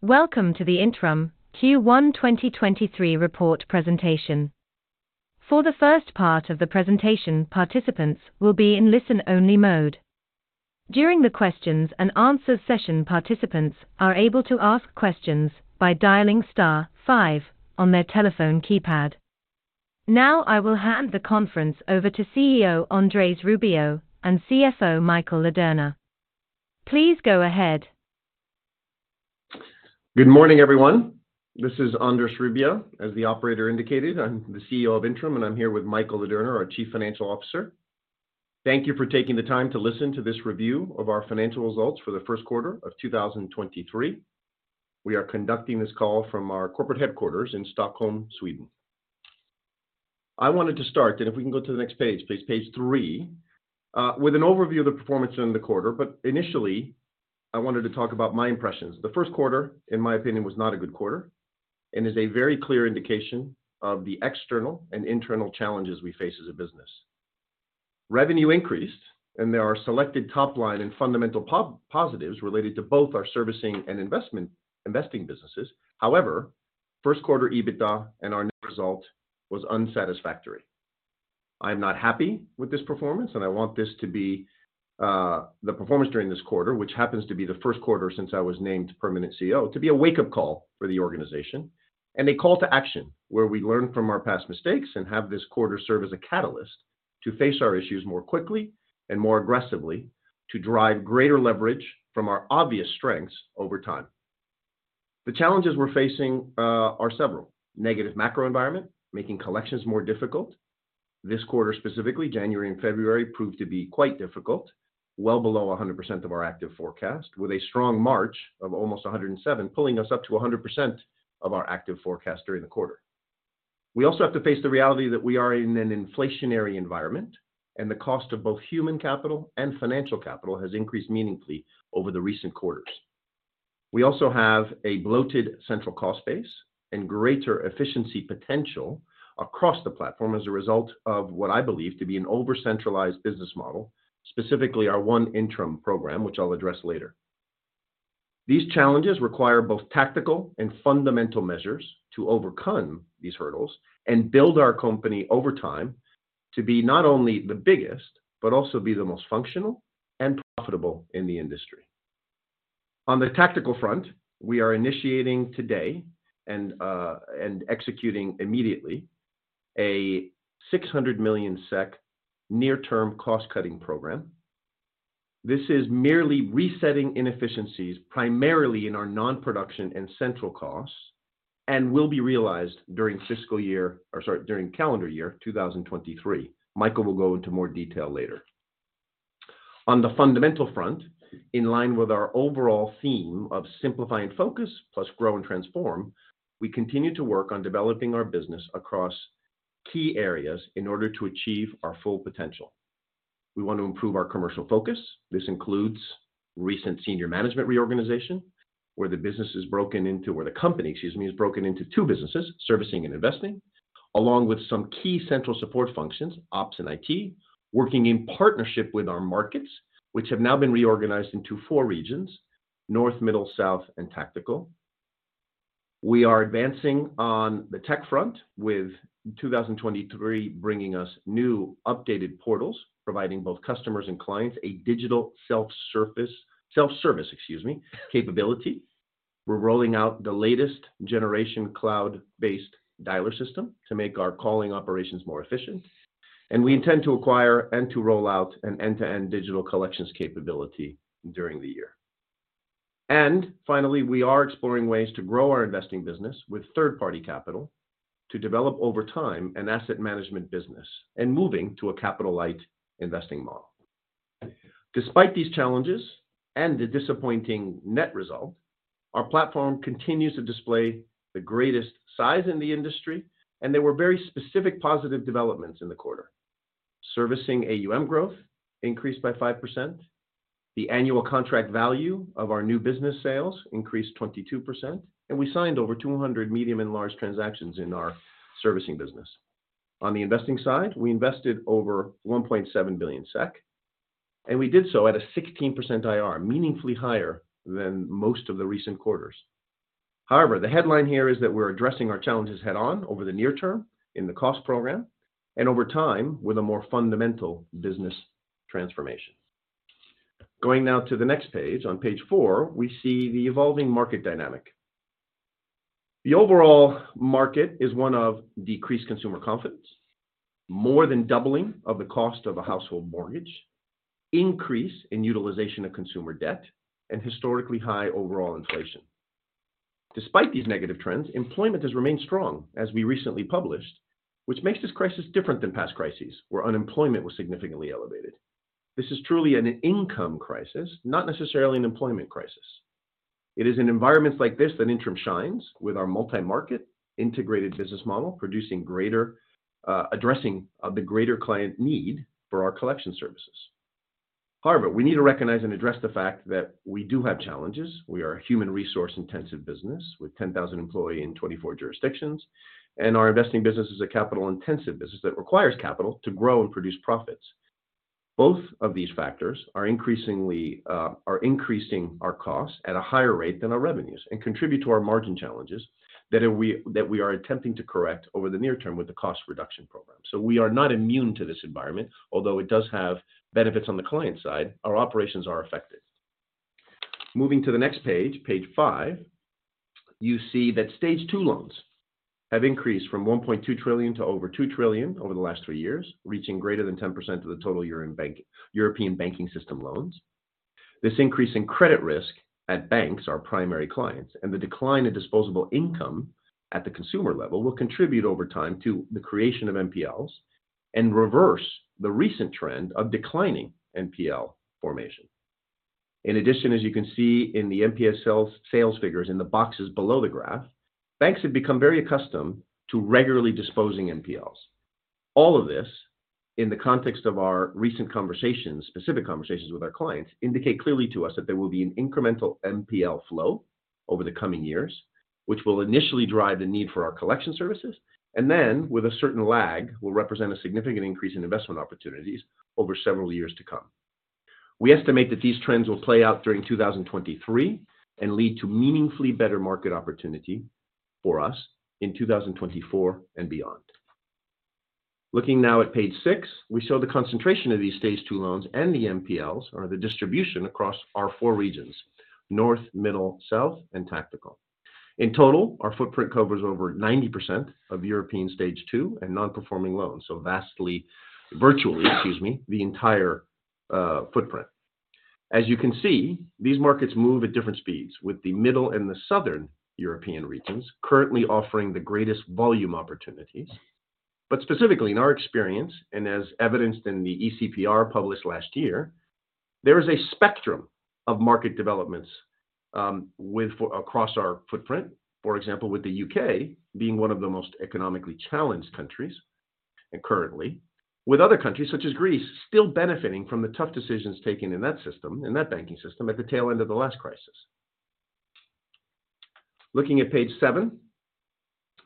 Welcome to the Intrum Q1 2023 report presentation. For the first part of the presentation, participants will be in listen-only mode. During the questions and answers session, participants are able to ask questions by dialing star five on their telephone keypad. Now, I will hand the conference over to CEO Andrés Rubio and CFO Michael Ladurner. Please go ahead. Good morning, everyone. This is Andrés Rubio. As the operator indicated, I'm the CEO of Intrum, and I'm here with Michael Ladurner, our chief financial officer. Thank you for taking the time to listen to this review of our financial results for the first quarter of 2023. We are conducting this call from our corporate headquarters in Stockholm, Sweden. I wanted to start. If we can go to the next page, please. Page three, with an overview of the performance during the quarter. Initially, I wanted to talk about my impressions. The first quarter, in my opinion, was not a good quarter and is a very clear indication of the external and internal challenges we face as a business. Revenue increased. There are selected top line and fundamental positives related to both our servicing and investing businesses. First quarter EBITDA and our net result was unsatisfactory. I am not happy with this performance, and I want this to be the performance during this quarter, which happens to be the first quarter since I was named permanent CEO to be a wake-up call for the organization. A call to action where we learn from our past mistakes and have this quarter serve as a catalyst to face our issues more quickly and more aggressively to drive greater leverage from our obvious strengths over time. The challenges we're facing are several. Negative macro environment, making collections more difficult. This quarter, specifically January and February, proved to be quite difficult. Well below 100% of our active forecast, with a strong March of almost 107%, pulling us up to 100% of our active forecast during the quarter. We also have to face the reality that we are in an inflationary environment, and the cost of both human capital and financial capital has increased meaningfully over the recent quarters. We also have a bloated central cost base and greater efficiency potential across the platform as a result of what I believe to be an over-centralized business model, specifically our ONE Intrum Program, which I'll address later. These challenges require both tactical and fundamental measures to overcome these hurdles and build our company over time to be not only the biggest, but also be the most functional and profitable in the industry. On the tactical front, we are initiating today and executing immediately a 600 million SEK near-term cost-cutting program. This is merely resetting inefficiencies, primarily in our non-production and central costs, and will be realized during fiscal year or, sorry, during calendar year 2023. Michael will go into more detail later. On the fundamental front, in line with our overall theme of simplify and focus, plus grow and transform, we continue to work on developing our business across key areas in order to achieve our full potential. We want to improve our commercial focus. This includes recent senior management reorganization, where the company, excuse me, is broken into two businesses, servicing and investing, along with some key central support functions, ops and IT, working in partnership with our markets, which have now been reorganized into four regions: north, middle, south, and tactical. We are advancing on the tech front with 2023 bringing us new updated portals, providing both customers and clients a digital self-service, excuse me, capability. We're rolling out the latest generation cloud-based dialer system to make our calling operations more efficient, and we intend to acquire and to roll out an end-to-end digital collections capability during the year. Finally, we are exploring ways to grow our investing business with third-party capital to develop over time an asset management business and moving to a capital-light investing model. Despite these challenges and the disappointing net result, our platform continues to display the greatest size in the industry. There were very specific positive developments in the quarter. Servicing AUM growth increased by 5%. The annual contract value of our new business sales increased 22%. We signed over 200 medium and large transactions in our servicing business. On the investing side, we invested over 1.7 billion SEK. We did so at a 16% IR, meaningfully higher than most of the recent quarters. The headline here is that we're addressing our challenges head-on over the near term in the cost program and over time with a more fundamental business transformation. Going now to the next page. On page four, we see the evolving market dynamic. The overall market is one of decreased consumer confidence, more than doubling of the cost of a household mortgage, increase in utilization of consumer debt, and historically high overall inflation. Despite these negative trends, employment has remained strong, as we recently published, which makes this crisis different than past crises where unemployment was significantly elevated. This is truly an income crisis, not necessarily an employment crisis. It is in environments like this that Intrum shines with our multi-market integrated business model, producing greater addressing the greater client need for our collection services. However, we need to recognize and address the fact that we do have challenges. We are a human resource-intensive business with 10,000 employee in 24 jurisdictions, and our investing business is a capital-intensive business that requires capital to grow and produce profits. Both of these factors are increasingly increasing our costs at a higher rate than our revenues and contribute to our margin challenges that we are attempting to correct over the near term with the cost reduction program. We are not immune to this environment, although it does have benefits on the client side, our operations are affected. Moving to the next page five, you see that Stage two loans have increased from 1.2 trillion to over 2 trillion over the last three years, reaching greater than 10% of the total year-end bank- European banking system loans. This increase in credit risk at banks, our primary clients, and the decline in disposable income at the consumer level will contribute over time to the creation of NPLs and reverse the recent trend of declining NPL formation. In addition, as you can see in the NPL sales figures in the boxes below the graph, banks have become very accustomed to regularly disposing NPLs. All of this, in the context of our recent conversations, specific conversations with our clients, indicate clearly to us that there will be an incremental NPL flow over the coming years, which will initially drive the need for our collection services, and then, with a certain lag, will represent a significant increase in investment opportunities over several years to come. We estimate that these trends will play out during 2023 and lead to meaningfully better market opportunity for us in 2024 and beyond. Looking now at page six, we show the concentration of these Stage two loans and the NPLs or the distribution across our four regions: North, Middle, South, and Tactical. In total, our footprint covers over 90% of European Stage two and non-performing loans, virtually, excuse me, the entire footprint. As you can see, these markets move at different speeds with the Middle and the Southern European regions currently offering the greatest volume opportunities. Specifically in our experience, and as evidenced in the ECPR published last year, there is a spectrum of market developments across our footprint. For example, with the U.K. being one of the most economically challenged countries, and currently, with other countries such as Greece still benefiting from the tough decisions taken in that system, in that banking system at the tail end of the last crisis. Looking at page seven,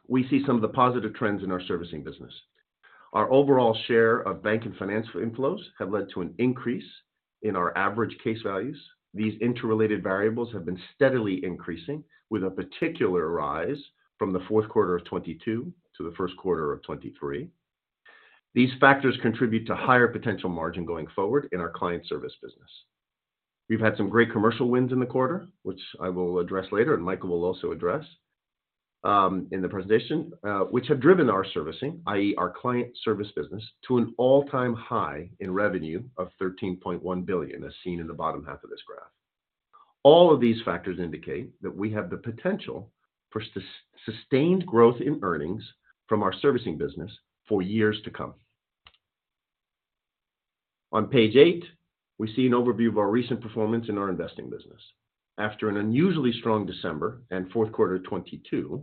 we see some of the positive trends in our servicing business. Our overall share of bank and financial inflows have led to an increase in our average case values. These interrelated variables have been steadily increasing with a particular rise from the fourth quarter of 2022 to the first quarter of 2023. These factors contribute to higher potential margin going forward in our client service business. We've had some great commercial wins in the quarter, which I will address later, and Michael will also address in the presentation, which have driven our servicing, i.e., our client service business, to an all-time high in revenue of 13.1 billion as seen in the bottom half of this graph. All of these factors indicate that we have the potential for sustained growth in earnings from our servicing business for years to come. On page eight, we see an overview of our recent performance in our investing business. After an unusually strong December and fourth quarter 2022,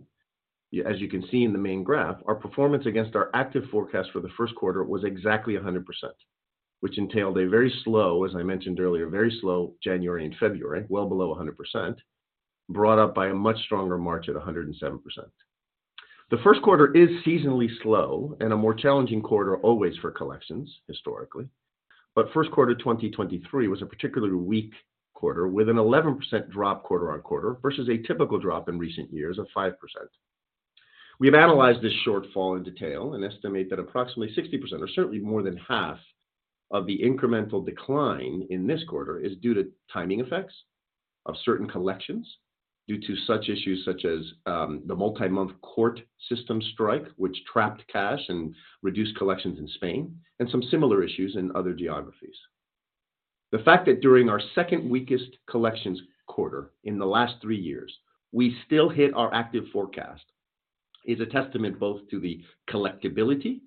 as you can see in the main graph, our performance against our active forecast for the first quarter was exactly 100%, which entailed a very slow, as I mentioned earlier, very slow January and February, well below 100%, brought up by a much stronger March at 107%. The first quarter is seasonally slow and a more challenging quarter always for collections historically. First quarter 2023 was a particularly weak quarter with an 11% drop quarter-on-quarter versus a typical drop in recent years of 5%. We have analyzed this shortfall in detail and estimate that approximately 60% or certainly more than half of the incremental decline in this quarter is due to timing effects of certain collections due to such issues such as the multi-month court system strike, which trapped cash and reduced collections in Spain, and some similar issues in other geographies. The fact that during our second weakest collections quarter in the last three years, we still hit our active forecast, is a testament both to the collectibility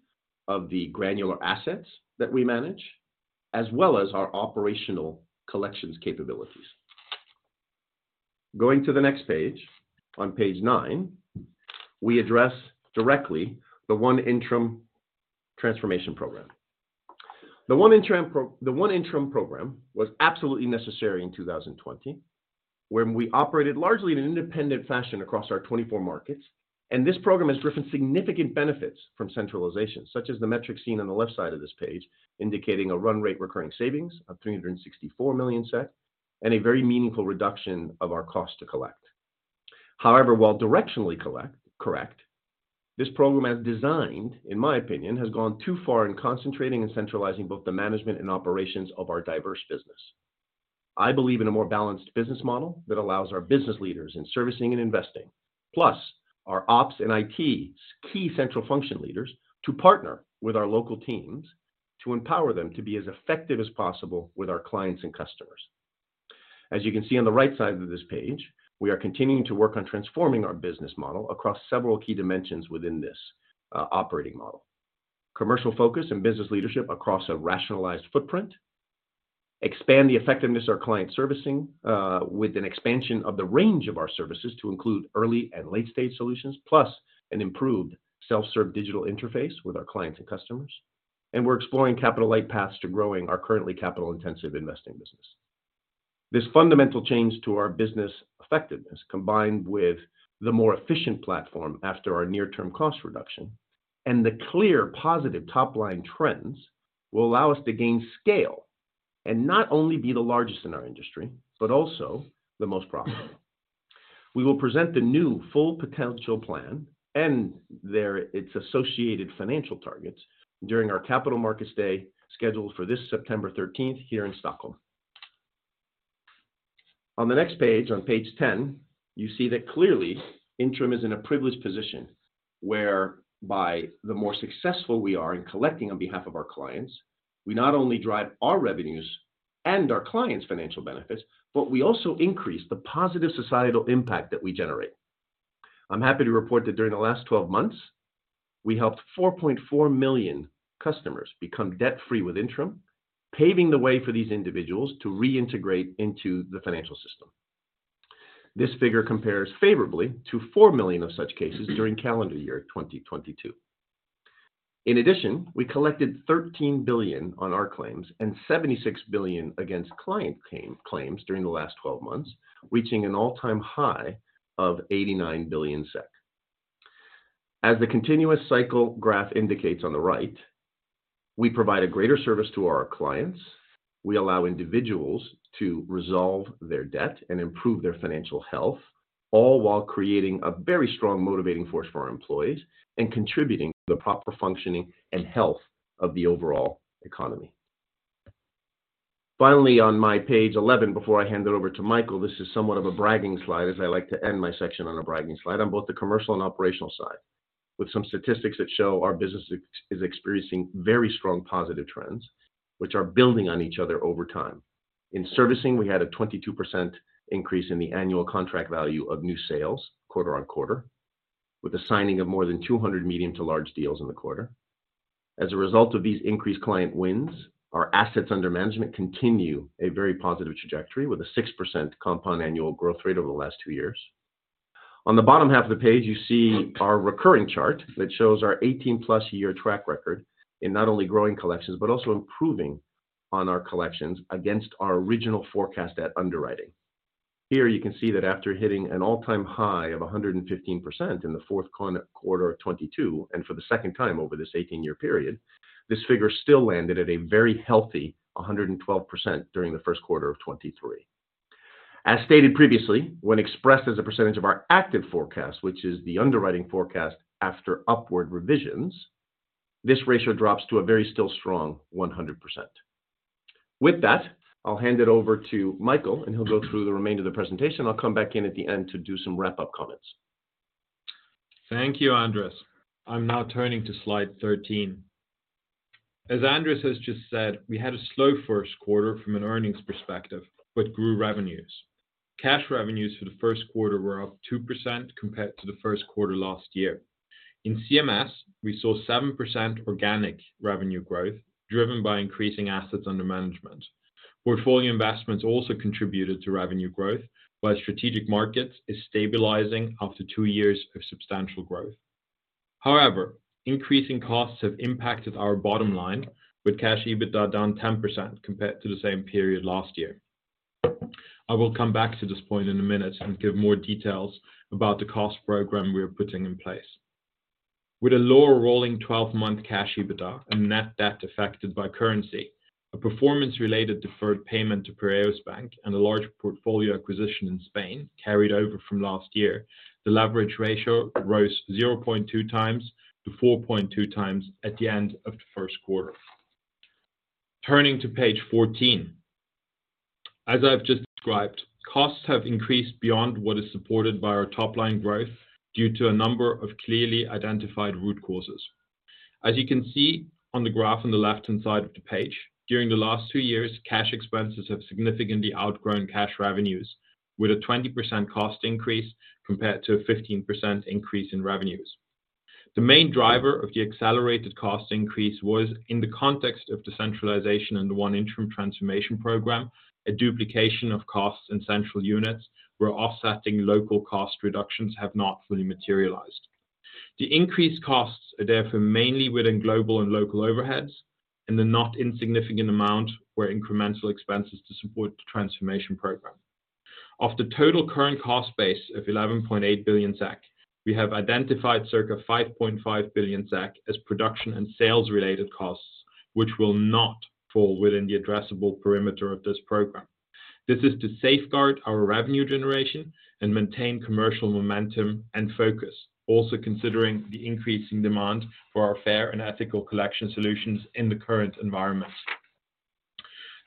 of the granular assets that we manage, as well as our operational collections capabilities. Going to the next page, on page nine, we address directly the ONE Intrum Transformation Program. The ONE Intrum Program was absolutely necessary in 2020, when we operated largely in an independent fashion across our 24 markets. This program has driven significant benefits from centralization, such as the metric seen on the left side of this page, indicating a run rate recurring savings of 364 million, and a very meaningful reduction of our cost to collect. However, while directionally correct, this program as designed, in my opinion, has gone too far in concentrating and centralizing both the management and operations of our diverse business. I believe in a more balanced business model that allows our business leaders in servicing and investing, plus our ops and IT, key central function leaders, to partner with our local teams to empower them to be as effective as possible with our clients and customers. You can see on the right side of this page, we are continuing to work on transforming our business model across several key dimensions within this operating model. Commercial focus and business leadership across a rationalized footprint. Expand the effectiveness of our client servicing, with an expansion of the range of our services to include early and late-stage solutions, plus an improved self-serve digital interface with our clients and customers. We're exploring capital-light paths to growing our currently capital-intensive investing business. This fundamental change to our business effectiveness, combined with the more efficient platform after our near-term cost reduction and the clear positive top-line trends, will allow us to gain scale and not only be the largest in our industry, but also the most profitable. We will present the new full potential plan and its associated financial targets during our Capital Markets Day scheduled for this September 13th here in Stockholm. On the next page, on page 10, you see that clearly Intrum is in a privileged position whereby the more successful we are in collecting on behalf of our clients, we not only drive our revenues and our clients' financial benefits, but we also increase the positive societal impact that we generate. I'm happy to report that during the last 12 months, we helped 4.4 million customers become debt-free with Intrum, paving the way for these individuals to reintegrate into the financial system. This figure compares favorably to 4 million of such cases during calendar year 2022. In addition, we collected 13 billion on our claims and 76 billion against client claims during the last 12 months, reaching an all-time high of 89 billion SEK. As the continuous cycle graph indicates on the right, we provide a greater service to our clients. We allow individuals to resolve their debt and improve their financial health, all while creating a very strong motivating force for our employees and contributing to the proper functioning and health of the overall economy. Finally, on my page 11, before I hand it over to Michael, this is somewhat of a bragging slide, as I like to end my section on a bragging slide on both the commercial and operational side with some statistics that show our business is experiencing very strong positive trends which are building on each other over time. In servicing, we had a 22% increase in the annual contract value of new sales quarter-on-quarter, with the signing of more than 200 medium to large deals in the quarter. As a result of these increased client wins, our assets under management continue a very positive trajectory with a 6% compound annual growth rate over the last two years. On the bottom half of the page, you see our recurring chart that shows our 18-plus year track record in not only growing collections but also improving on our collections against our original forecast at underwriting. Here you can see that after hitting an all-time high of 115% in the fourth quarter of 2022, and for the second time over this 18-year period, this figure still landed at a very healthy 112% during the first quarter of 2023. As stated previously, when expressed as a percentage of our active forecast, which is the underwriting forecast after upward revisions, this ratio drops to a very still strong 100%. With that, I'll hand it over to Michael and he'll go through the remainder of the presentation. I'll come back in at the end to do some wrap-up comments. Thank you, Andres. I'm now turning to slide 13. As Andres has just said, we had a slow first quarter from an earnings perspective, but grew revenues. Cash revenues for the first quarter were up 2% compared to the first quarter last year. In CMS, we saw 7% organic revenue growth driven by increasing assets under management. Portfolio investments also contributed to revenue growth, while strategic markets is stabilizing after two years of substantial growth. However, increasing costs have impacted our bottom line with cash EBITDA down 10% compared to the same period last year. I will come back to this point in a minute and give more details about the cost program we are putting in place. With a lower rolling 12-month cash EBITDA and net debt affected by currency, a performance related deferred payment to Piraeus Bank and a large portfolio acquisition in Spain carried over from last year. The leverage ratio rose 0.2x-4.2x at the end of the first quarter. Turning to page 14. As I've just described, costs have increased beyond what is supported by our top-line growth due to a number of clearly identified root causes. As you can see on the graph on the left-hand side of the page, during the last two years, cash expenses have significantly outgrown cash revenues with a 20% cost increase compared to a 15% increase in revenues. The main driver of the accelerated cost increase was in the context of decentralization and the ONE Intrum transformation program, a duplication of costs in central units where offsetting local cost reductions have not fully materialized. The increased costs are therefore mainly within global and local overheads, and the not insignificant amount where incremental expenses to support the transformation program. Of the total current cost base of 11.8 billion, we have identified circa 5.5 billion as production and sales related costs, which will not fall within the addressable perimeter of this program. This is to safeguard our revenue generation and maintain commercial momentum and focus. Considering the increasing demand for our fair and ethical collection solutions in the current environment.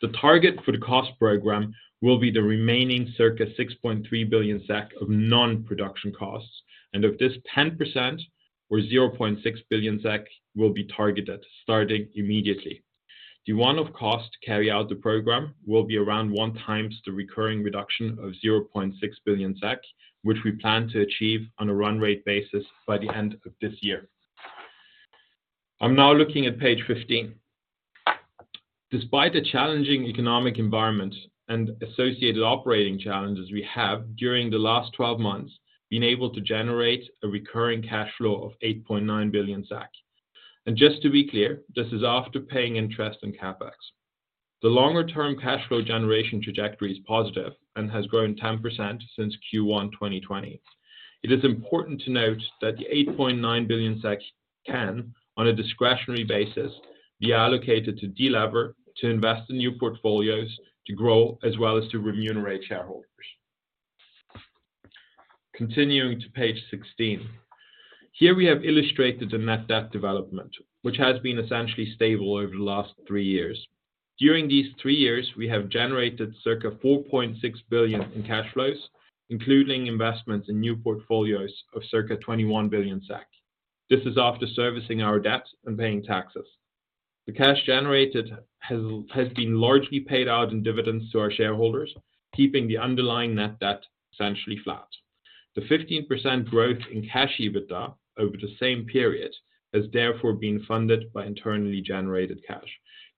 The target for the cost program will be the remaining circa 6.3 billion SEK of non-production costs, and of this, 10% or 0.6 billion SEK will be targeted starting immediately. The one of cost to carry out the program will be around 1x the recurring reduction of 0.6 billion SEK, which we plan to achieve on a run rate basis by the end of this year. I'm now looking at page 15. Despite the challenging economic environment and associated operating challenges we have during the last 12 months been able to generate a recurring cash flow of 8.9 billion. Just to be clear, this is after paying interest in CapEx. The longer-term cash flow generation trajectory is positive and has grown 10% since Q1 2020. It is important to note that the 8.9 billion SEK can, on a discretionary basis, be allocated to delever, to invest in new portfolios, to grow as well as to remunerate shareholders. Continuing to page 16. Here we have illustrated the net debt development, which has been essentially stable over the last three years. During these three years, we have generated circa 4.6 billion in cash flows, including investments in new portfolios of circa 21 billion SEK. This is after servicing our debt and paying taxes. The cash generated has been largely paid out in dividends to our shareholders, keeping the underlying net debt essentially flat. The 15% growth in cash EBITDA over the same period has therefore been funded by internally generated cash.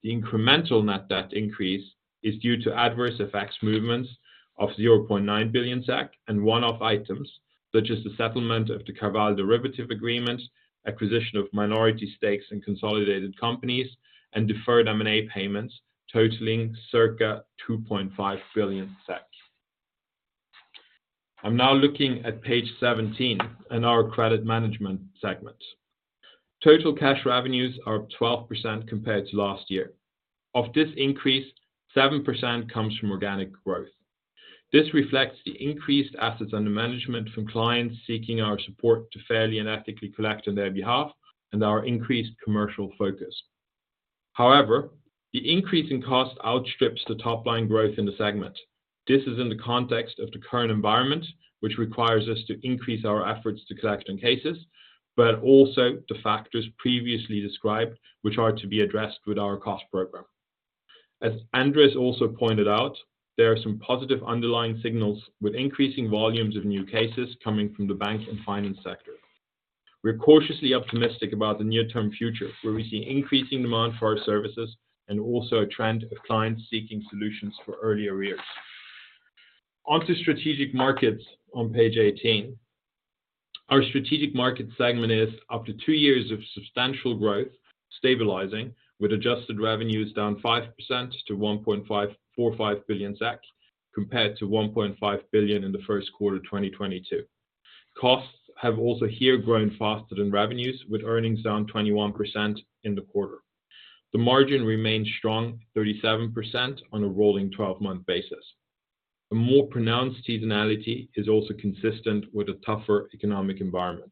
The incremental net debt increase is due to adverse effects movements of 0.9 billion SEK and one-off items such as the settlement of the CarVal derivative agreement, acquisition of minority stakes in consolidated companies, and deferred M&A payments totaling circa 2.5 billion. I'm now looking at page 17 and our credit management segment. Total cash revenues are up 12% compared to last year. Of this increase, 7% comes from organic growth. This reflects the increased assets under management from clients seeking our support to fairly and ethically collect on their behalf and our increased commercial focus. The increase in cost outstrips the top-line growth in the segment. This is in the context of the current environment, which requires us to increase our efforts to collect on cases, but also the factors previously described, which are to be addressed with our cost program. As Andrés also pointed out, there are some positive underlying signals with increasing volumes of new cases coming from the bank and finance sector. We're cautiously optimistic about the near-term future, where we see increasing demand for our services and also a trend of clients seeking solutions for early arrears. Onto strategic markets on page 18. Our strategic market segment is after two years of substantial growth stabilizing with adjusted revenues down 5% to 1.45 billion SEK compared to 1.5 billion in the 1st quarter of 2022. Costs have also here grown faster than revenues, with earnings down 21% in the quarter. The margin remains strong, 37% on a rolling 12-month basis. A more pronounced seasonality is also consistent with the tougher economic environment.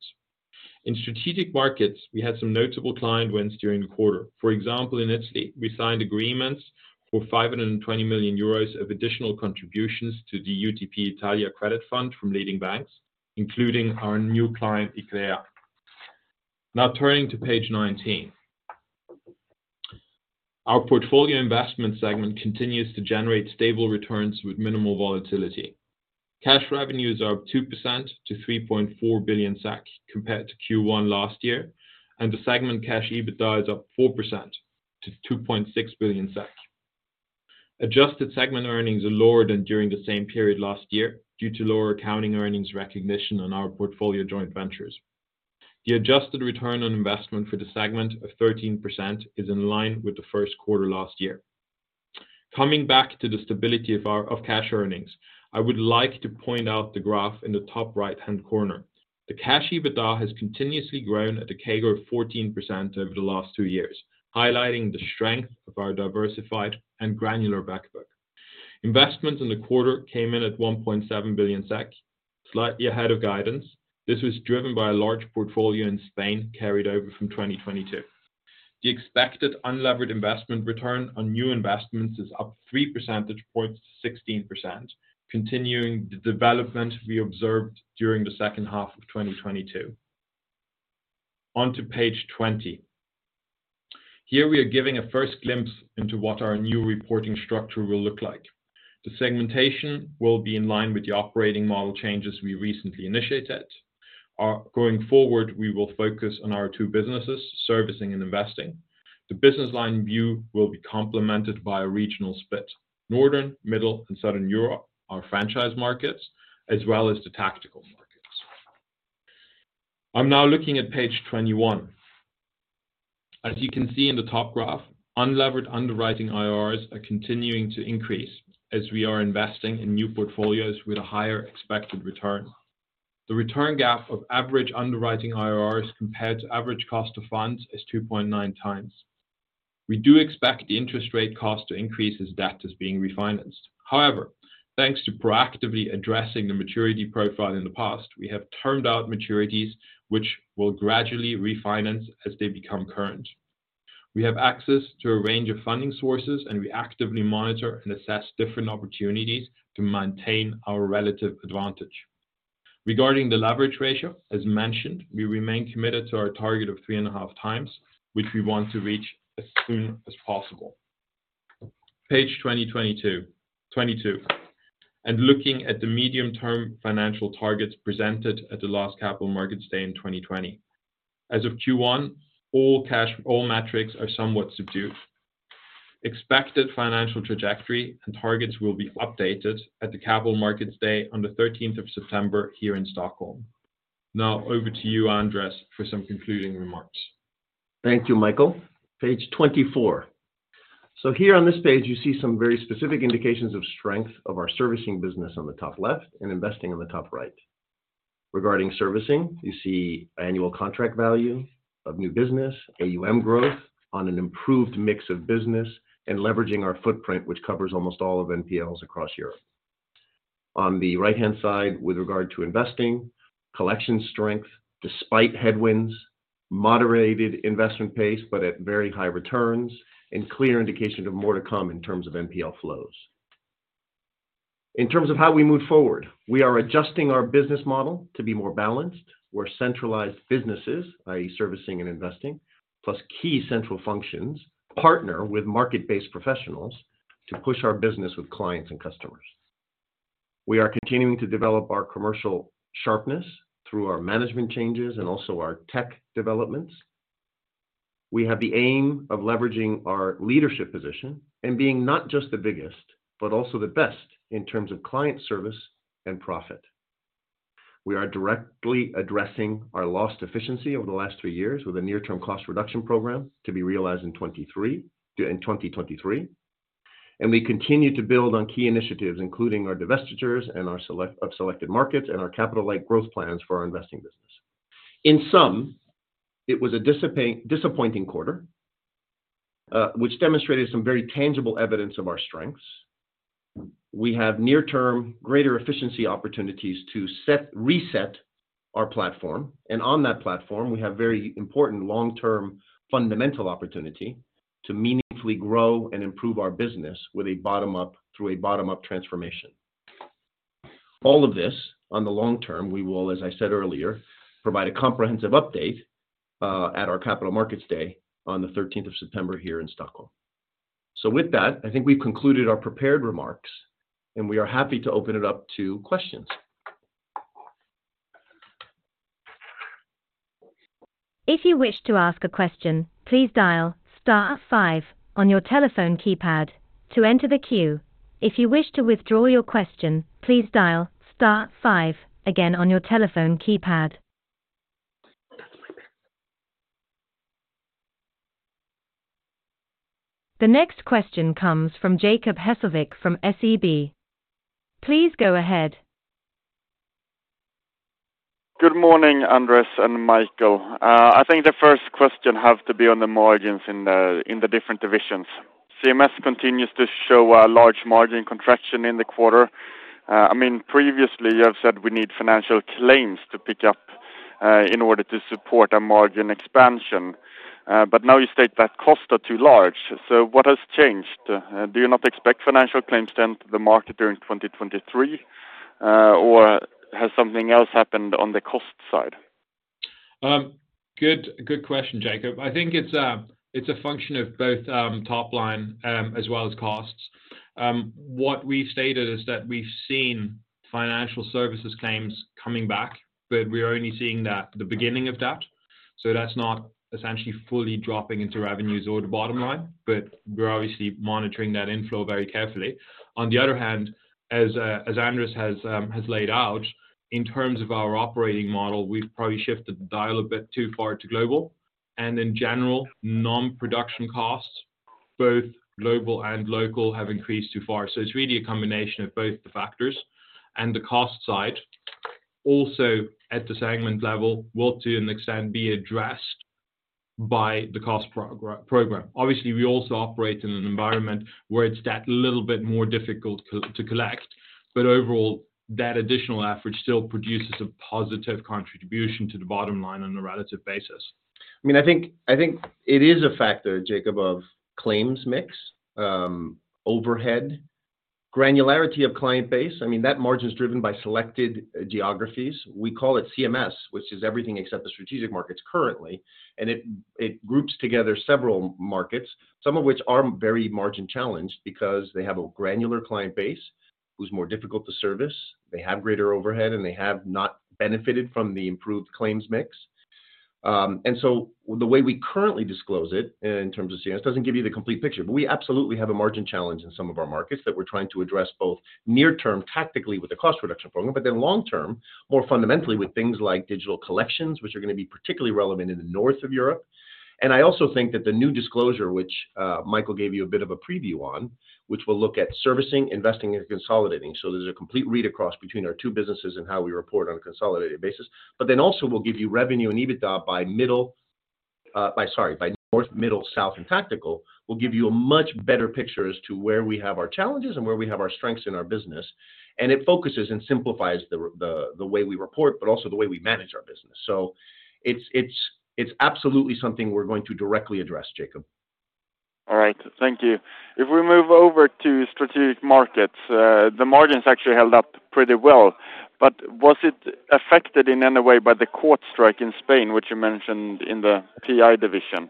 In strategic markets, we had some notable client wins during the quarter. For example, in Italy, we signed agreements for 520 million euros of additional contributions to the UTP Italia Credit Fund from leading banks, including our new client, Eclair. Turning to page 19. Our portfolio investment segment continues to generate stable returns with minimal volatility. Cash revenues are up 2% to 3.4 billion compared to Q1 last year, the segment cash EBITDA is up 4% to 2.6 billion SEK. Adjusted segment earnings are lower than during the same period last year due to lower accounting earnings recognition on our portfolio joint ventures. The adjusted return on investment for the segment of 13% is in line with the first quarter last year. Coming back to the stability of cash earnings, I would like to point out the graph in the top right-hand corner. The cash EBITDA has continuously grown at a CAGR of 14% over the last two years, highlighting the strength of our diversified and granular back book. Investments in the quarter came in at 1.7 billion SEK, slightly ahead of guidance. This was driven by a large portfolio in Spain carried over from 2022. The expected unlevered investment return on new investments is up three percentage points to 16%, continuing the development we observed during the second half of 2022. Onto page 20. Here we are giving a first glimpse into what our new reporting structure will look like. The segmentation will be in line with the operating model changes we recently initiated. Going forward, we will focus on our two businesses, servicing and investing. The business line view will be complemented by a regional split. Northern, Middle, and Southern Europe are franchise markets, as well as the tactical markets. I'm now looking at page 21. As you can see in the top graph, unlevered underwriting IRRs are continuing to increase as we are investing in new portfolios with a higher expected return. The return gap of average underwriting IRRs compared to average cost of funds is 2.9x. We do expect the interest rate cost to increase as debt is being refinanced. However, thanks to proactively addressing the maturity profile in the past, we have turned out maturities which will gradually refinance as they become current. We have access to a range of funding sources. We actively monitor and assess different opportunities to maintain our relative advantage. Regarding the leverage ratio, as mentioned, we remain committed to our target of 3.5x, which we want to reach as soon as possible. Page 22. Looking at the medium-term financial targets presented at the last Capital Markets Day in 2020. As of Q1, all metrics are somewhat subdued. Expected financial trajectory and targets will be updated at the Capital Markets Day on the 13th of September here in Stockholm. Over to you, Andrés, for some concluding remarks. Thank you, Michael. Page 24. Here on this page you see some very specific indications of strength of our servicing business on the top left and investing on the top right. Regarding servicing, you see annual contract value of new business, AUM growth on an improved mix of business and leveraging our footprint, which covers almost all of NPLs across Europe. On the right-hand side, with regard to investing, collection strength despite headwinds, moderated investment pace, but at very high returns and clear indication of more to come in terms of NPL flows. In terms of how we move forward, we are adjusting our business model to be more balanced, where centralized businesses, i.e. servicing and investing, plus key central functions, partner with market-based professionals to push our business with clients and customers. We are continuing to develop our commercial sharpness through our management changes and also our tech developments. We have the aim of leveraging our leadership position and being not just the biggest, but also the best in terms of client service and profit. We are directly addressing our lost efficiency over the last three years with a near-term cost reduction program to be realized in 2023, in 2023. We continue to build on key initiatives, including our divestitures and our of selected markets and our capital like growth plans for our investing business. In sum, it was a disappointing quarter, which demonstrated some very tangible evidence of our strengths. We have near term greater efficiency opportunities to reset our platform, and on that platform, we have very important long-term fundamental opportunity to meaningfully grow and improve our business through a bottom up transformation. All of this on the long term, we will, as I said earlier, provide a comprehensive update at our Capital Markets Day on the 13th of September here in Stockholm. With that, I think we've concluded our prepared remarks, and we are happy to open it up to questions. If you wish to ask a question, please dial star five on your telephone keypad to enter the queue. If you wish to withdraw your question, please dial star five again on your telephone keypad. The next question comes from Jacob Hesslevik from SEB. Please go ahead. Good morning, Andres and Michael. I think the first question has to be on the margins in the different divisions. CMS continues to show a large margin contraction in the quarter. Previously you have said we need financial claims to pick up in order to support a margin expansion. Now you state that costs are too large. What has changed? Do you not expect financial claims to enter the market during 2023, or has something else happened on the cost side? Good question, Jacob. I think it's a function of both, top-line, as well as costs. What we've stated is that we've seen financial services claims coming back, but we're only seeing that the beginning of that. That's not essentially fully dropping into revenues or the bottom line, but we're obviously monitoring that inflow very carefully. On the other hand, as Andrés has laid out, in terms of our operating model, we've probably shifted the dial a bit too far to global. In general, non-production costs, both global and local, have increased too far. It's really a combination of both the factors and the cost side. Also, at the segment level, will to an extent be addressed by the cost program. Obviously, we also operate in an environment where it's that little bit more difficult to collect. Overall, that additional average still produces a positive contribution to the bottom line on a relative basis. I mean, I think it is a factor, Jacob, of claims mix, overhead, granularity of client base. I mean, that margin is driven by selected geographies. We call it CMS, which is everything except the strategic markets currently. It groups together several markets, some of which are very margin-challenged because they have a granular client base who's more difficult to service. They have greater overhead. They have not benefited from the improved claims mix. The way we currently disclose it in terms of CMS doesn't give you the complete picture. We absolutely have a margin challenge in some of our markets that we're trying to address both near-term tactically with the cost reduction program. Long term, more fundamentally with things like digital collections, which are gonna be particularly relevant in the north of Europe. I also think that the new disclosure, which Michael Ladurner gave you a bit of a preview on, which we'll look at servicing, investing, and consolidating. There's a complete read across between our two businesses and how we report on a consolidated basis. Also we'll give you revenue and EBITDA by North, Middle, South, and Tactical. We'll give you a much better picture as to where we have our challenges and where we have our strengths in our business. It focuses and simplifies the way we report, but also the way we manage our business. It's absolutely something we're going to directly address, Jacob Hesslevik. All right, thank you. If we move over to strategic markets, the margins actually held up pretty well. Was it affected in any way by the court strike in Spain, which you mentioned in the PI division?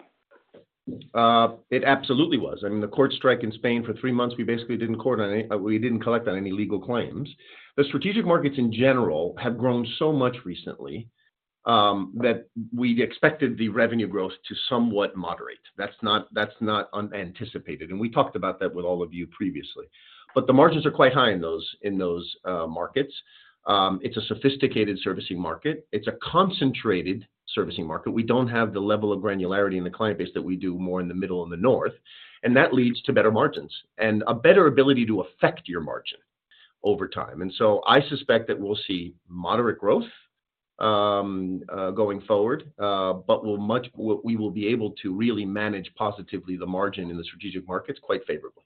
It absolutely was. I mean, the court strike in Spain for three months, we basically didn't collect on any legal claims. The strategic markets in general have grown so much recently. that we expected the revenue growth to somewhat moderate. That's not unanticipated, and we talked about that with all of you previously. The margins are quite high in those, in those markets. It's a sophisticated servicing market. It's a concentrated servicing market. We don't have the level of granularity in the client base that we do more in the middle and the north, and that leads to better margins and a better ability to affect your margin over time. I suspect that we'll see moderate growth going forward, but we will be able to really manage positively the margin in the strategic markets quite favorably.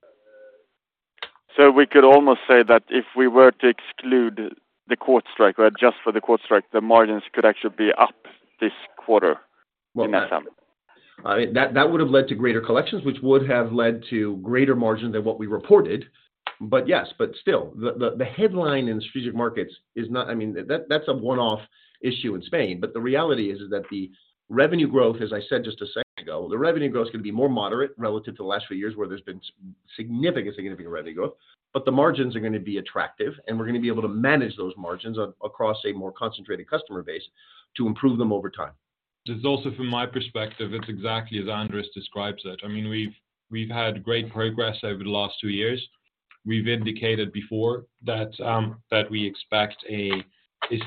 We could almost say that if we were to exclude the court strike or adjust for the court strike, the margins could actually be up this quarter in SM? Well, that, I mean, that would have led to greater collections, which would have led to greater margins than what we reported. Yes. Still, the headline in strategic markets is not... I mean, that's a one-off issue in Spain, but the reality is that the revenue growth, as I said just a second ago, the revenue growth is gonna be more moderate relative to the last few years where there's been significant revenue growth. The margins are gonna be attractive, and we're gonna be able to manage those margins across a more concentrated customer base to improve them over time. This is also from my perspective, it's exactly as Andrés describes it. I mean, we've had great progress over the last two years. We've indicated before that we expect a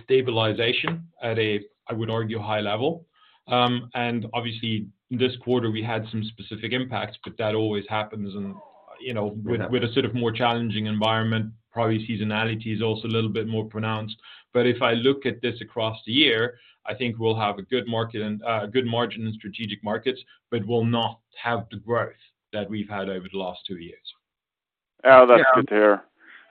stabilization at a, I would argue, high level. Obviously this quarter we had some specific impacts, but that always happens and, you know, with a sort of more challenging environment, probably seasonality is also a little bit more pronounced. If I look at this across the year, I think we'll have a good market and a good margin in strategic markets, but will not have the growth that we've had over the last two years. Yeah, that's good to hear.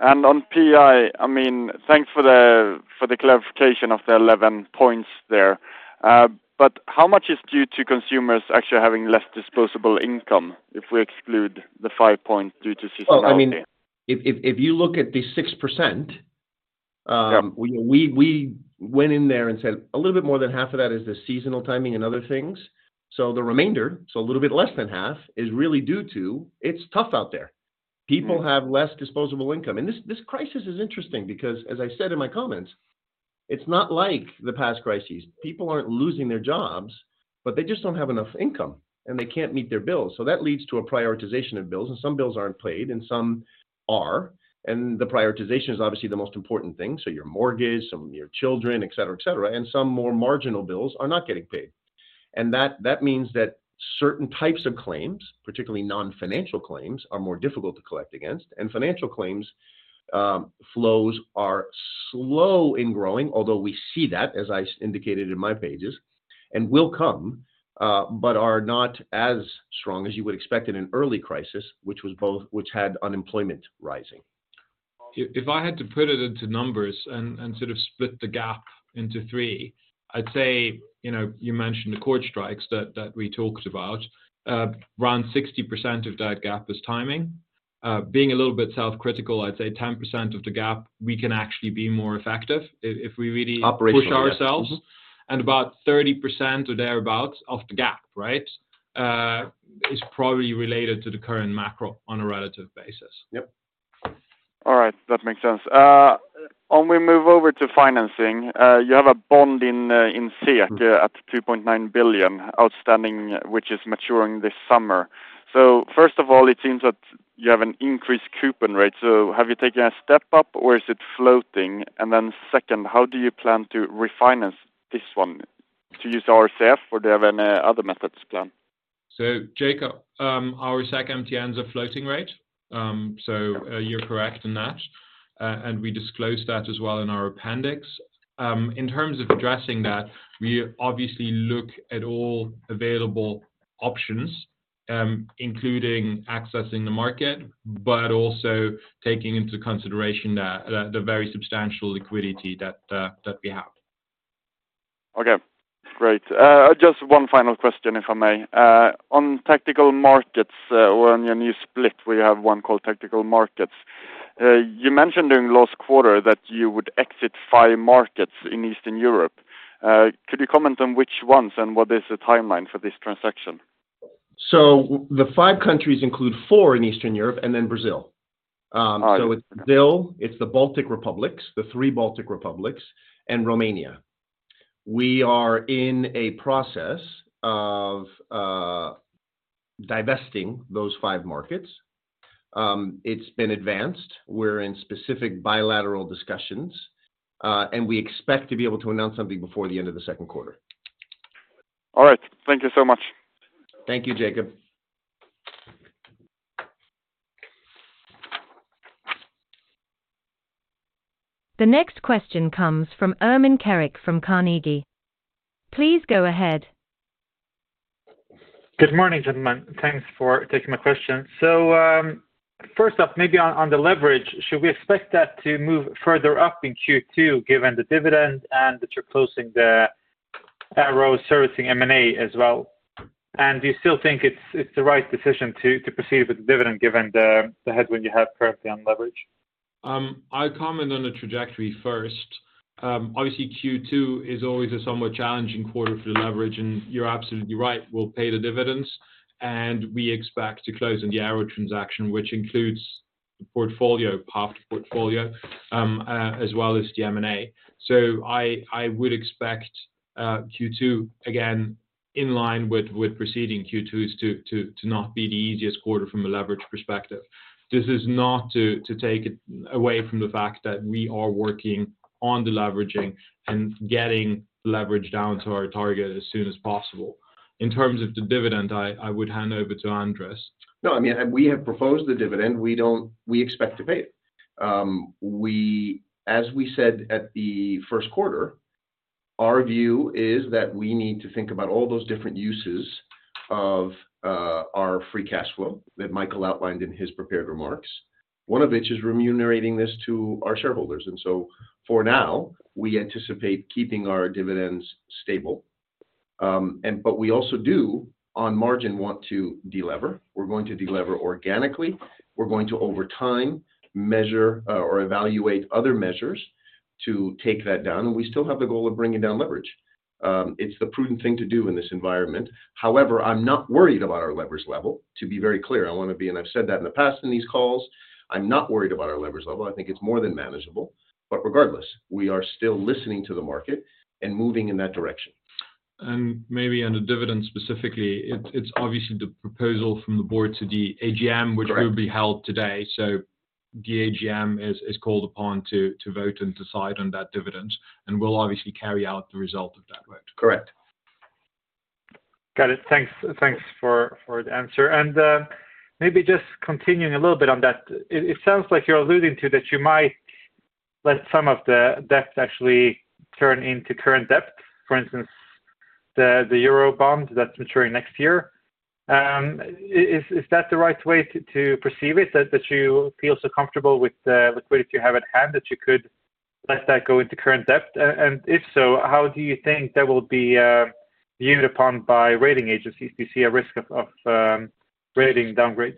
On PI, I mean, thanks for the clarification of the 11 points there. How much is due to consumers actually having less disposable income if we exclude the five points due to seasonality? Well, I mean, if you look at the 6%. Yeah. We went in there and said a little bit more than half of that is the seasonal timing and other things. The remainder, so a little bit less than half, is really due to it's tough out there. Yeah. People have less disposable income. This crisis is interesting because as I said in my comments, it's not like the past crises. People aren't losing their jobs, but they just don't have enough income and they can't meet their bills. That leads to a prioritization of bills, and some bills aren't paid and some are. The prioritization is obviously the most important thing. Your mortgage, some of your children, et cetera, et cetera, and some more marginal bills are not getting paid. That means that certain types of claims, particularly non-financial claims, are more difficult to collect against. Financial claims, flows are slow in growing, although we see that, as I indicated in my pages, and will come, but are not as strong as you would expect in an early crisis, which had unemployment rising. If I had to put it into numbers and sort of split the gap into three, I'd say, you know, you mentioned the court strikes that we talked about. Around 60% of that gap is timing. Being a little bit self-critical, I'd say 10% of the gap we can actually be more effective if we really push ourselves. Operational, yeah. About 30% or thereabout of the gap, right, is probably related to the current macro on a relative basis. Yep. All right. That makes sense. When we move over to financing, you have a bond in 2.9 billion outstanding, which is maturing this summer. First of all, it seems that you have an increased coupon rate. Have you taken a step up or is it floating? Second, how do you plan to refinance this one? To use RCF or do you have any other methods planned? Jacob, our SEK MTNs are floating rate. You're correct in that. We disclosed that as well in our appendix. In terms of addressing that, we obviously look at all available options, including accessing the market, but also taking into consideration the very substantial liquidity that we have. Okay, great. Just one final question, if I may. On tactical markets, on your new split where you have one called tactical markets, you mentioned during the last quarter that you would exit five markets in Eastern Europe. Could you comment on which ones and what is the timeline for this transaction? The five countries include four in Eastern Europe and then Brazil. It's Brazil, it's the Baltic republics, the three Baltic republics and Romania. We are in a process of divesting those five markets. It's been advanced. We're in specific bilateral discussions and we expect to be able to announce something before the end of the second quarter. All right. Thank you so much. Thank you, Jacob. The next question comes from Ermin Keric from Carnegie. Please go ahead. Good morning, gentlemen. Thanks for taking my question. First off, maybe on the leverage, should we expect that to move further up in Q2 given the dividend and that you're closing the Arrow servicing M&A as well? Do you still think it's the right decision to proceed with the dividend given the headwind you have currently on leverage? I'll comment on the trajectory first. Obviously Q2 is always a somewhat challenging quarter for the leverage, and you're absolutely right, we'll pay the dividends and we expect to close in the Arrow transaction, which includes portfolio, puffed portfolio, as well as the M&A. I would expect Q2 again in line with preceding Q2s to not be the easiest quarter from a leverage perspective. This is not to take it away from the fact that we are working on the leveraging and getting leverage down to our target as soon as possible. In terms of the dividend, I would hand over to Andrés. No, I mean, we have proposed the dividend. We don't. We expect to pay it. As we said at the first quarter, our view is that we need to think about all those different uses of our free cash flow that Michael outlined in his prepared remarks. One of which is remunerating this to our shareholders. For now, we anticipate keeping our dividends stable. We also do, on margin, want to de-lever. We're going to delever organically. We're going to over time measure or evaluate other measures to take that down. We still have the goal of bringing down leverage. It's the prudent thing to do in this environment. I'm not worried about our leverage level, to be very clear. I wanna be, and I've said that in the past in these calls, I'm not worried about our leverage level. I think it's more than manageable. Regardless, we are still listening to the market and moving in that direction. Maybe on the dividend specifically, it's obviously the proposal from the board to the AGM... Correct. which will be held today. The AGM is called upon to vote and decide on that dividend, and we'll obviously carry out the result of that vote. Correct. Got it. Thanks. Thanks for the answer. Maybe just continuing a little bit on that. It sounds like you're alluding to that you might let some of the debt actually turn into current debt. For instance, the euro bond that's maturing next year. Is that the right way to perceive it, that you feel so comfortable with what you have at hand that you could let that go into current debt? If so, how do you think that will be viewed upon by rating agencies if you see a risk of rating downgrades?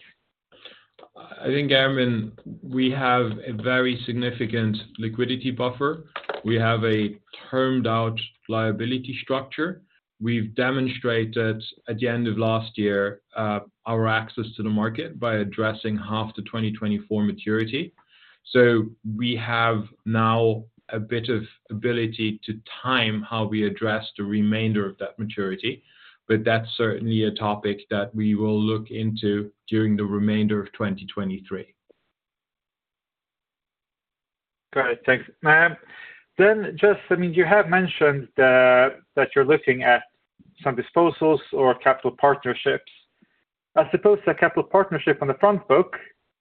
I think, Ermin, we have a very significant liquidity buffer. We have a termed-out liability structure. We've demonstrated at the end of last year, our access to the market by addressing half the 2024 maturity. We have now a bit of ability to time how we address the remainder of that maturity, but that's certainly a topic that we will look into during the remainder of 2023. Got it. Thanks. just, I mean, you have mentioned the, that you're looking at some disposals or capital partnerships. I suppose the capital partnership on the front book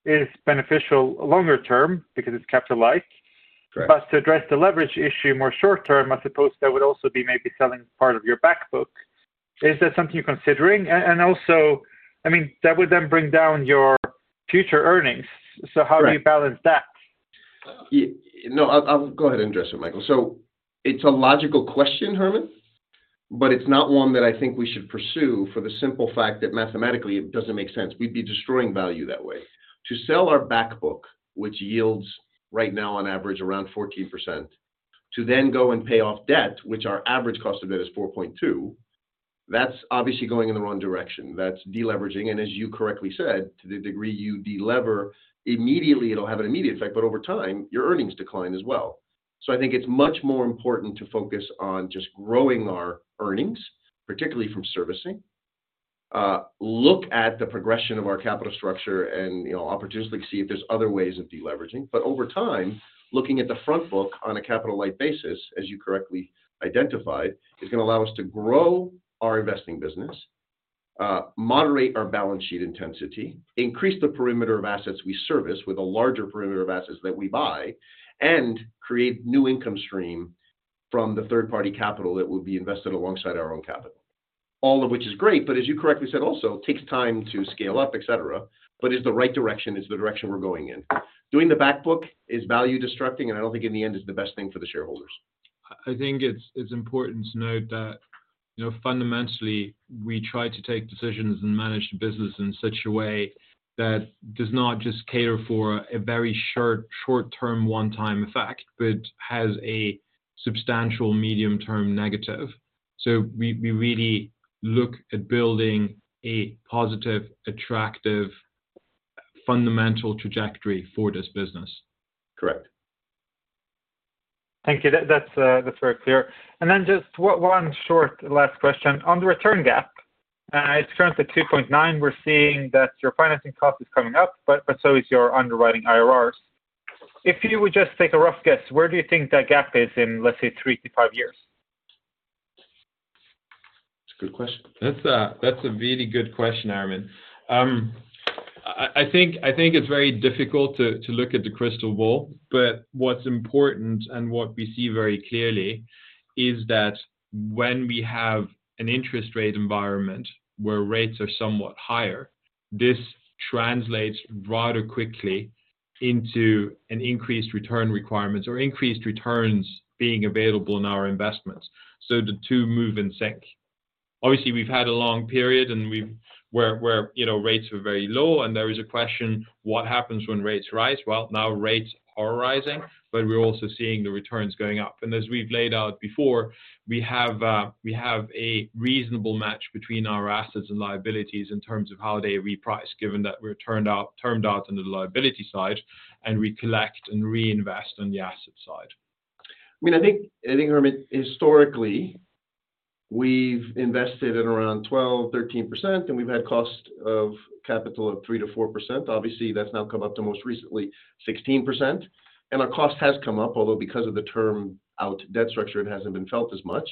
is beneficial longer term because it's capital like. Correct. To address the leverage issue more short term, I suppose that would also be maybe selling part of your back book. Is that something you're considering? Also, I mean, that would then bring down your future earnings. Correct. How do you balance that? No, I'll go ahead and address it, Michael. It's a logical question, Ermin, but it's not one that I think we should pursue for the simple fact that mathematically it doesn't make sense. We'd be destroying value that way. To sell our back book, which yields right now on average around 14%, to then go and pay off debt, which our average cost of debt is 4.2%, that's obviously going in the wrong direction. That's deleveraging, and as you correctly said, to the degree you delever, immediately it'll have an immediate effect, but over time, your earnings decline as well. I think it's much more important to focus on just growing our earnings, particularly from servicing, look at the progression of our capital structure and, you know, opportunistically see if there's other ways of deleveraging. Over time, looking at the front book on a capital light basis, as you correctly identified, is gonna allow us to grow our investing business, moderate our balance sheet intensity, increase the perimeter of assets we service with a larger perimeter of assets that we buy, and create new income stream from the third party capital that will be invested alongside our own capital. All of which is great, but as you correctly said, also takes time to scale up, et cetera, but is the right direction, is the direction we're going in. Doing the back book is value destructing, and I don't think in the end is the best thing for the shareholders. I think it's important to note that, you know, fundamentally, we try to take decisions and manage the business in such a way that does not just cater for a very short-term one-time effect, but has a substantial medium-term negative. We really look at building a positive, attractive, fundamental trajectory for this business. Correct. Thank you. That's very clear. Just one short last question. On the return gap, it's currently 2.9. We're seeing that your financing cost is coming up, but so is your underwriting IRRs. If you would just take a rough guess, where do you think that gap is in, let's say, three to five years? That's a good question. That's a really good question, Ermin. I think it's very difficult to look at the crystal ball, but what's important and what we see very clearly is that when we have an interest rate environment where rates are somewhat higher, this translates rather quickly into an increased return requirements or increased returns being available in our investments. The two move in sync. We've had a long period and where, you know, rates were very low, and there is a question, what happens when rates rise? Now rates are rising, but we're also seeing the returns going up. As we've laid out before, we have a reasonable match between our assets and liabilities in terms of how they reprice, given that we're termed out on the liability side and we collect and reinvest on the asset side. I mean, I think Ermin, historically, we've invested at around 12%-13%, and we've had cost of capital of 3%-4%. Obviously, that's now come up to most recently 16%. Our cost has come up, although because of the term out debt structure, it hasn't been felt as much.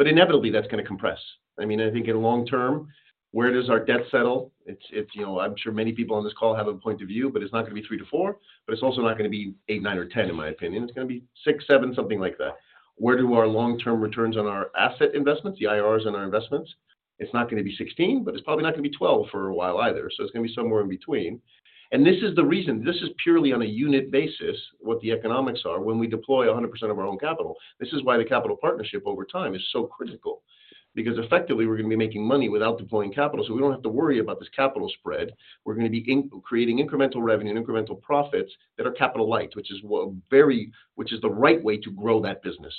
Inevitably, that's gonna compress. I mean, I think in long term, where does our debt settle? It's, you know, I'm sure many people on this call have a point of view, but it's not gonna be 3%-4%, but it's also not gonna be 8%, 9%, or 10%, in my opinion. It's gonna be 6%, 7%, something like that. Where do our long-term returns on our asset investments, the IRRs on our investments? It's not gonna be 16%, but it's probably not gonna be 12% for a while either. It's gonna be somewhere in between. This is the reason. This is purely on a unit basis what the economics are when we deploy 100% of our own capital. This is why the capital partnership over time is so critical. Effectively, we're gonna be making money without deploying capital. We don't have to worry about this capital spread. We're gonna be creating incremental revenue and incremental profits that are capital light, which is very, which is the right way to grow that business.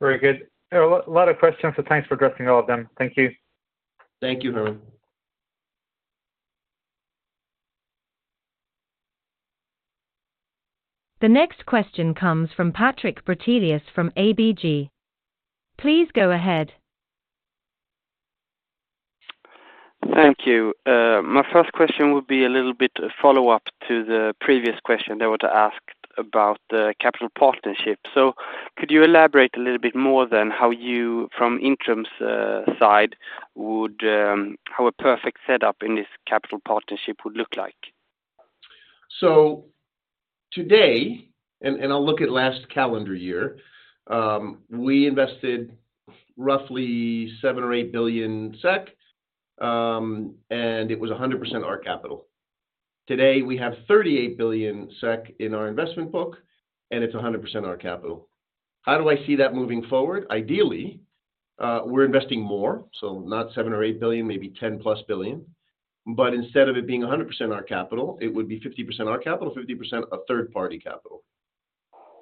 Very good. There are a lot of questions, so thanks for addressing all of them. Thank you. Thank you, Ermin. The next question comes from Patrik Brattelius from ABG. Please go ahead. Thank you. My first question would be a little bit a follow-up to the previous question that was asked about the capital partnership. Could you elaborate a little bit more then how you from Intrum's side would how a perfect setup in this capital partnership would look like? Today, and I'll look at last calendar year, we invested roughly 7 billion-8 billion SEK, and it was 100% our capital. Today, we have 38 billion SEK in our investment book, and it's 100% our capital. How do I see that moving forward? Ideally, we're investing more, so not 7 billion-8 billion, maybe 10+ billion. Instead of it being 100% our capital, it would be 50% our capital, 50% a third-party capital.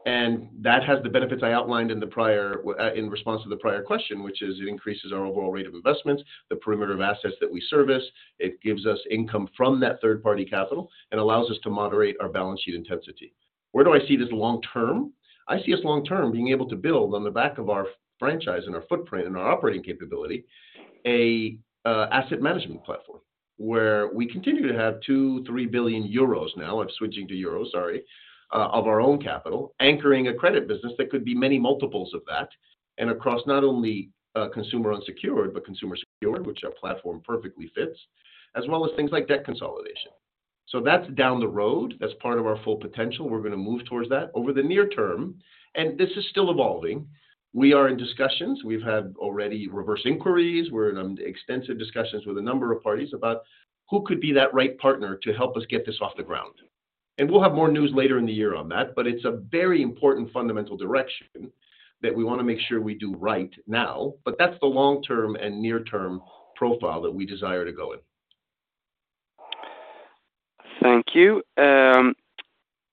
That has the benefits I outlined in the prior, in response to the prior question, which is it increases our overall rate of investments, the perimeter of assets that we service. It gives us income from that third-party capital and allows us to moderate our balance sheet intensity. Where do I see this long-term? I see us long term being able to build on the back of our franchise and our footprint and our operating capability, a asset management platform where we continue to have 2 billion-3 billion euros now, I'm switching to euros, sorry, of our own capital anchoring a credit business that could be many multiples of that. Across not only consumer unsecured, but consumer secured, which our platform perfectly fits, as well as things like debt consolidation. That's down the road. That's part of our full potential. We're gonna move towards that over the near term, this is still evolving. We are in discussions. We've had already reverse inquiries. We're in extensive discussions with a number of parties about who could be that right partner to help us get this off the ground. We'll have more news later in the year on that. It's a very important fundamental direction that we wanna make sure we do right now. That's the long-term and near-term profile that we desire to go in. Thank you.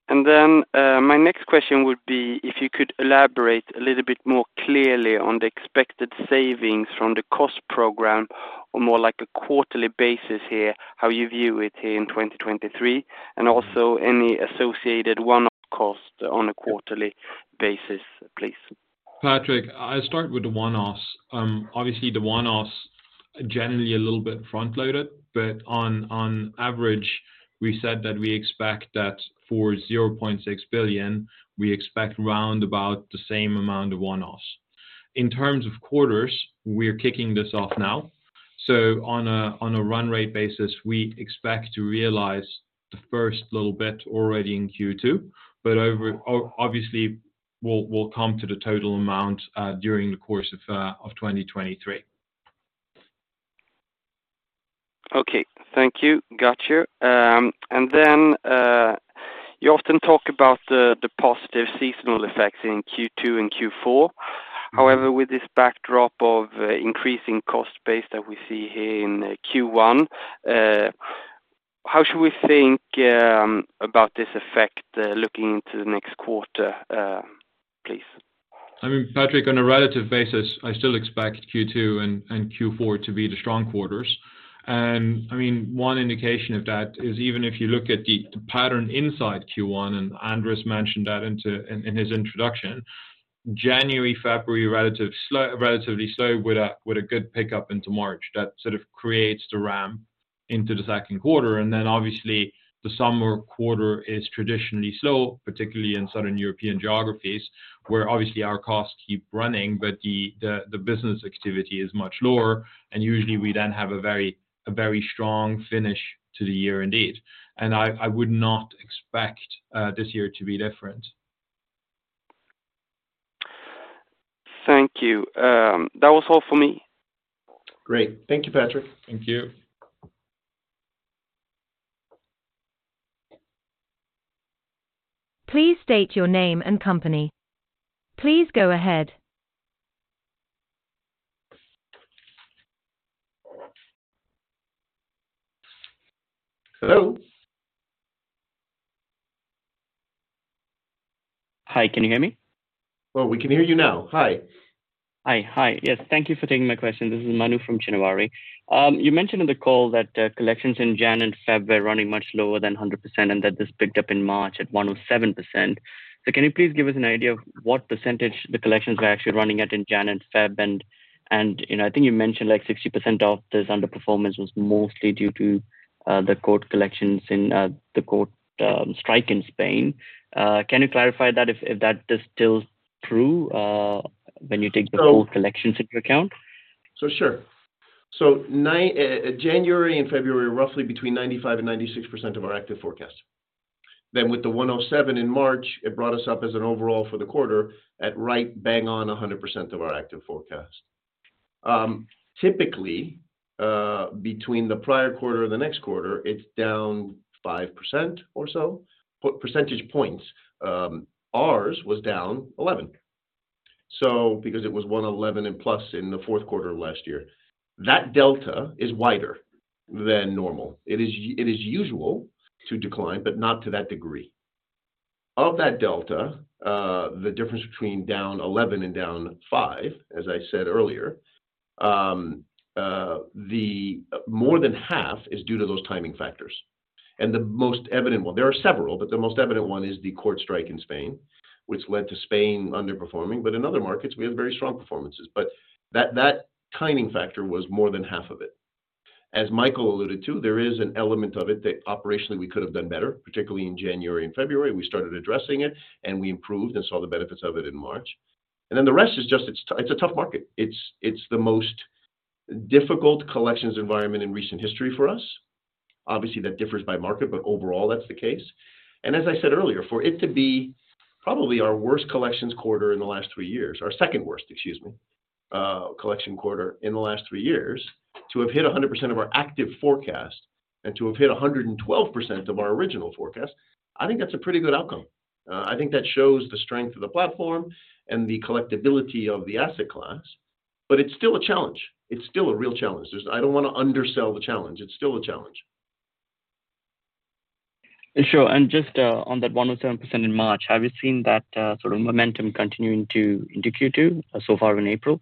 And then, my next question would be if you could elaborate a little bit more clearly on the expected savings from the cost program on more like a quarterly basis here, how you view it here in 2023, and also any associated one-off cost on a quarterly basis, please. Patrik, I'll start with the one-offs. Obviously the one-offs are generally a little bit front-loaded, but on average, we said that we expect that for 0.6 billion, we expect round about the same amount of one-offs. In terms of quarters, we're kicking this off now. On a run rate basis, we expect to realize the first little bit already in Q2, but obviously, we'll come to the total amount during the course of 2023. Okay. Thank you. Got you. You often talk about the positive seasonal effects in Q2 and Q4. However, with this backdrop of increasing cost base that we see here in Q1, how should we think about this effect, looking into the next quarter, please? I mean, Patrik, on a relative basis, I still expect Q2 and Q4 to be the strong quarters. I mean, one indication of that is even if you look at the pattern inside Q1, Andrés mentioned that in his introduction. January, February, relatively slow with a good pickup into March. That sort of creates the ramp into the second quarter. Obviously, the summer quarter is traditionally slow, particularly in Southern European geographies, where obviously our costs keep running, but the business activity is much lower, and usually, we then have a very strong finish to the year indeed. I would not expect this year to be different. Thank you. That was all for me. Great. Thank you, Patrik. Thank you. Please state your name and company. Please go ahead. Hello? Hi, can you hear me? Well, we can hear you now. Hi. Hi. Hi. Yes, thank you for taking my question. This is Manu from Chenavari. You mentioned in the call that collections in January and February were running much lower than 100%, and that this picked up in March at 107%. Can you please give us an idea of what percentage the collections were actually running at in January and February? you know, I think you mentioned like 60% of this underperformance was mostly due to the court collections in the court strike in Spain. Can you clarify that if that is still true when you take the full collections into account? Sure. January and February are roughly between 95% and 96% of our active forecast. With the 107% in March, it brought us up as an overall for the quarter at right bang on 100% of our active forecast. Typically, between the prior quarter and the next quarter, it's down 5% or so, but percentage points, ours was down 11%. Because it was 111% and plus in the fourth quarter of last year. That delta is wider than normal. It is usual to decline, but not to that degree. Of that delta, the difference between down 11% and down 5%, as I said earlier, the more than half is due to those timing factors. The most evident one... There are several, but the most evident one is the court strike in Spain, which led to Spain underperforming. In other markets, we have very strong performances. That timing factor was more than half of it. As Michael alluded to, there is an element of it that operationally we could have done better, particularly in January and February. We started addressing it, and we improved and saw the benefits of it in March. Then the rest is just it's a tough market. It's the most difficult collections environment in recent history for us. Obviously, that differs by market, but overall that's the case. As I said earlier, for it to be probably our worst collections quarter in the last three years, our second worst, excuse me, collection quarter in the last three years, to have hit 100% of our active forecast and to have hit 112% of our original forecast, I think that's a pretty good outcome. I think that shows the strength of the platform and the collectibility of the asset class, but it's still a challenge. It's still a real challenge. I don't wanna undersell the challenge. It's still a challenge. Sure. Just on that 107% in March, have you seen that sort of momentum continuing into Q2 so far in April?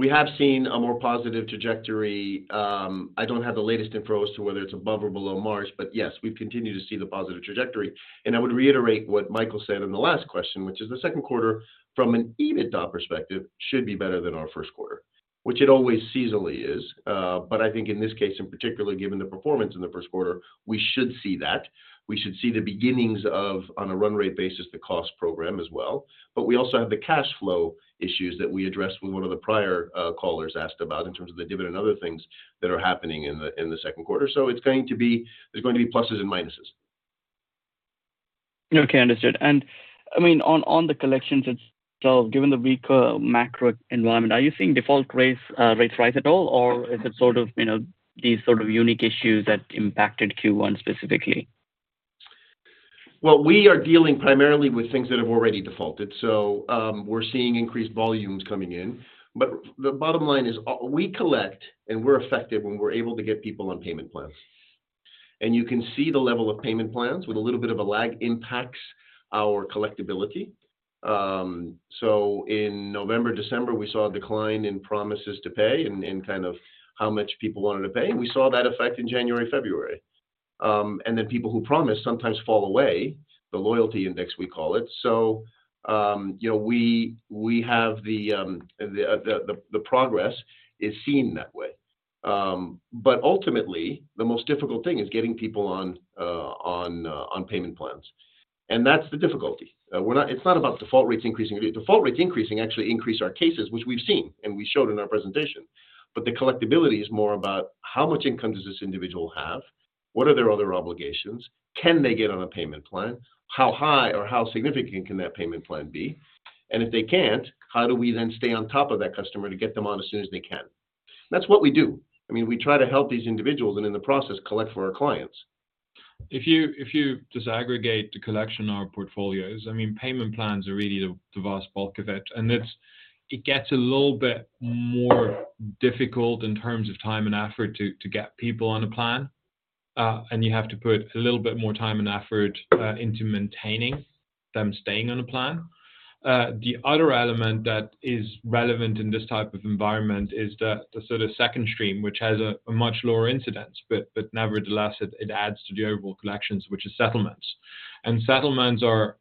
We have seen a more positive trajectory. I don't have the latest info as to whether it's above or below March, but yes, we continue to see the positive trajectory. I would reiterate what Michael said in the last question, which is the second quarter from an EBITDA perspective should be better than our first quarter, which it always seasonally is. I think in this case, and particularly given the performance in the first quarter, we should see that. We should see the beginnings of, on a run rate basis, the cost program as well. We also have the cash flow issues that we addressed when one of the prior callers asked about in terms of the dividend and other things that are happening in the second quarter. There's going to be pluses and minuses. Okay, understood. I mean, on the collections itself, given the weaker macro environment, are you seeing default rates rise at all? Is it sort of, you know, these sort of unique issues that impacted Q1 specifically? We are dealing primarily with things that have already defaulted, so we're seeing increased volumes coming in. The bottom line is we collect, and we're effective when we're able to get people on payment plans. You can see the level of payment plans with a little bit of a lag impacts our collectibility. In November, December, we saw a decline in promises to pay and kind of how much people wanted to pay. We saw that effect in January, February. Then people who promise sometimes fall away, the loyalty index we call it. You know, we have the, the, the progress is seen that way. Ultimately, the most difficult thing is getting people on payment plans. That's the difficulty. It's not about default rates increasing. Default rates increasing actually increase our cases, which we've seen and we showed in our presentation. The collectibility is more about how much income does this individual have? What are their other obligations? Can they get on a payment plan? How high or how significant can that payment plan be? If they can't, how do we then stay on top of that customer to get them on as soon as they can? That's what we do. I mean, we try to help these individuals and in the process collect for our clients. If you, if you disaggregate the collection of our portfolios, I mean, payment plans are really the vast bulk of it. It gets a little bit more difficult in terms of time and effort to get people on a plan. You have to put a little bit more time and effort into maintaining them staying on a plan. The other element that is relevant in this type of environment is the sort of second stream, which has a much lower incidence, but nevertheless, it adds to the overall collections, which is settlements. Settlements are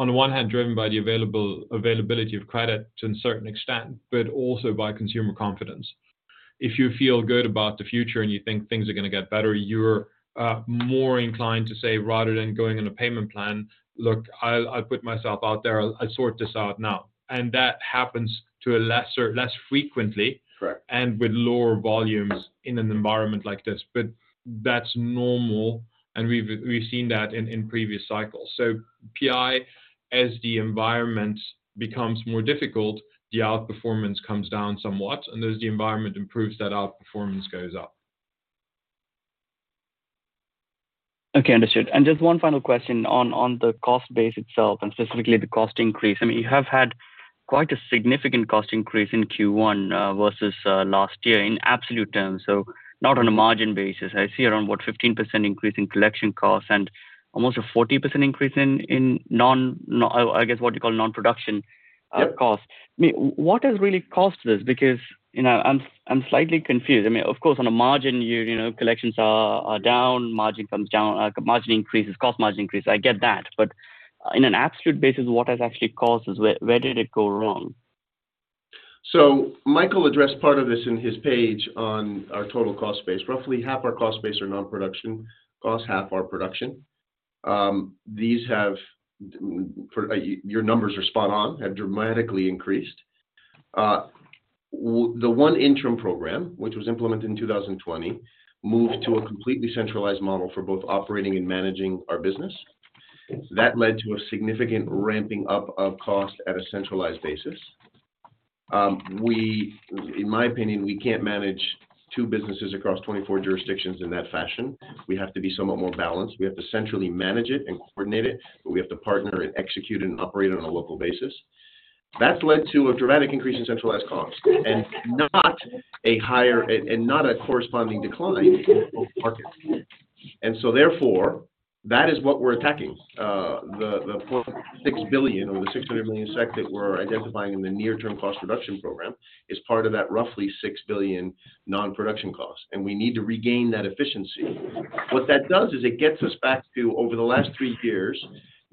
on one hand driven by the availability of credit to a certain extent, but also by consumer confidence. If you feel good about the future and you think things are gonna get better, you're more inclined to say rather than going on a payment plan, "Look, I'll put myself out there. I'll sort this out now." That happens less frequently. Correct... and with lower volumes in an environment like this. That's normal, and we've seen that in previous cycles. PI, as the environment becomes more difficult, the outperformance comes down somewhat. As the environment improves, that outperformance goes up. Okay, understood. Just one final question on the cost base itself and specifically the cost increase. I mean, you have had Quite a significant cost increase in Q1 versus last year in absolute terms. Not on a margin basis. I see around what 15% increase in collection costs and almost a 40% increase in non-production costs. Yeah. I mean, what has really caused this? You know, I'm slightly confused. I mean, of course, on a margin year, you know, collections are down, margin comes down, margin increases, cost margin increases. I get that. In an absolute basis, what has actually caused this? Where did it go wrong? Michael addressed part of this in his page on our total cost base. Roughly half our cost base are non-production costs, half are production. These have your numbers are spot on, have dramatically increased. The ONE Intrum Program, which was implemented in 2020, moved to a completely centralized model for both operating and managing our business. That led to a significant ramping up of cost at a centralized basis. In my opinion, we can't manage two businesses across 24 jurisdictions in that fashion. We have to be somewhat more balanced. We have to centrally manage it and coordinate it, but we have to partner and execute and operate on a local basis. That's led to a dramatic increase in centralized costs and not a higher and not a corresponding decline in both markets. Therefore, that is what we're attacking. The 6 billion or the 600 million SEK that we're identifying in the near term cost reduction program is part of that roughly 6 billion non-production costs. We need to regain that efficiency. What that does is it gets us back to over the last three years,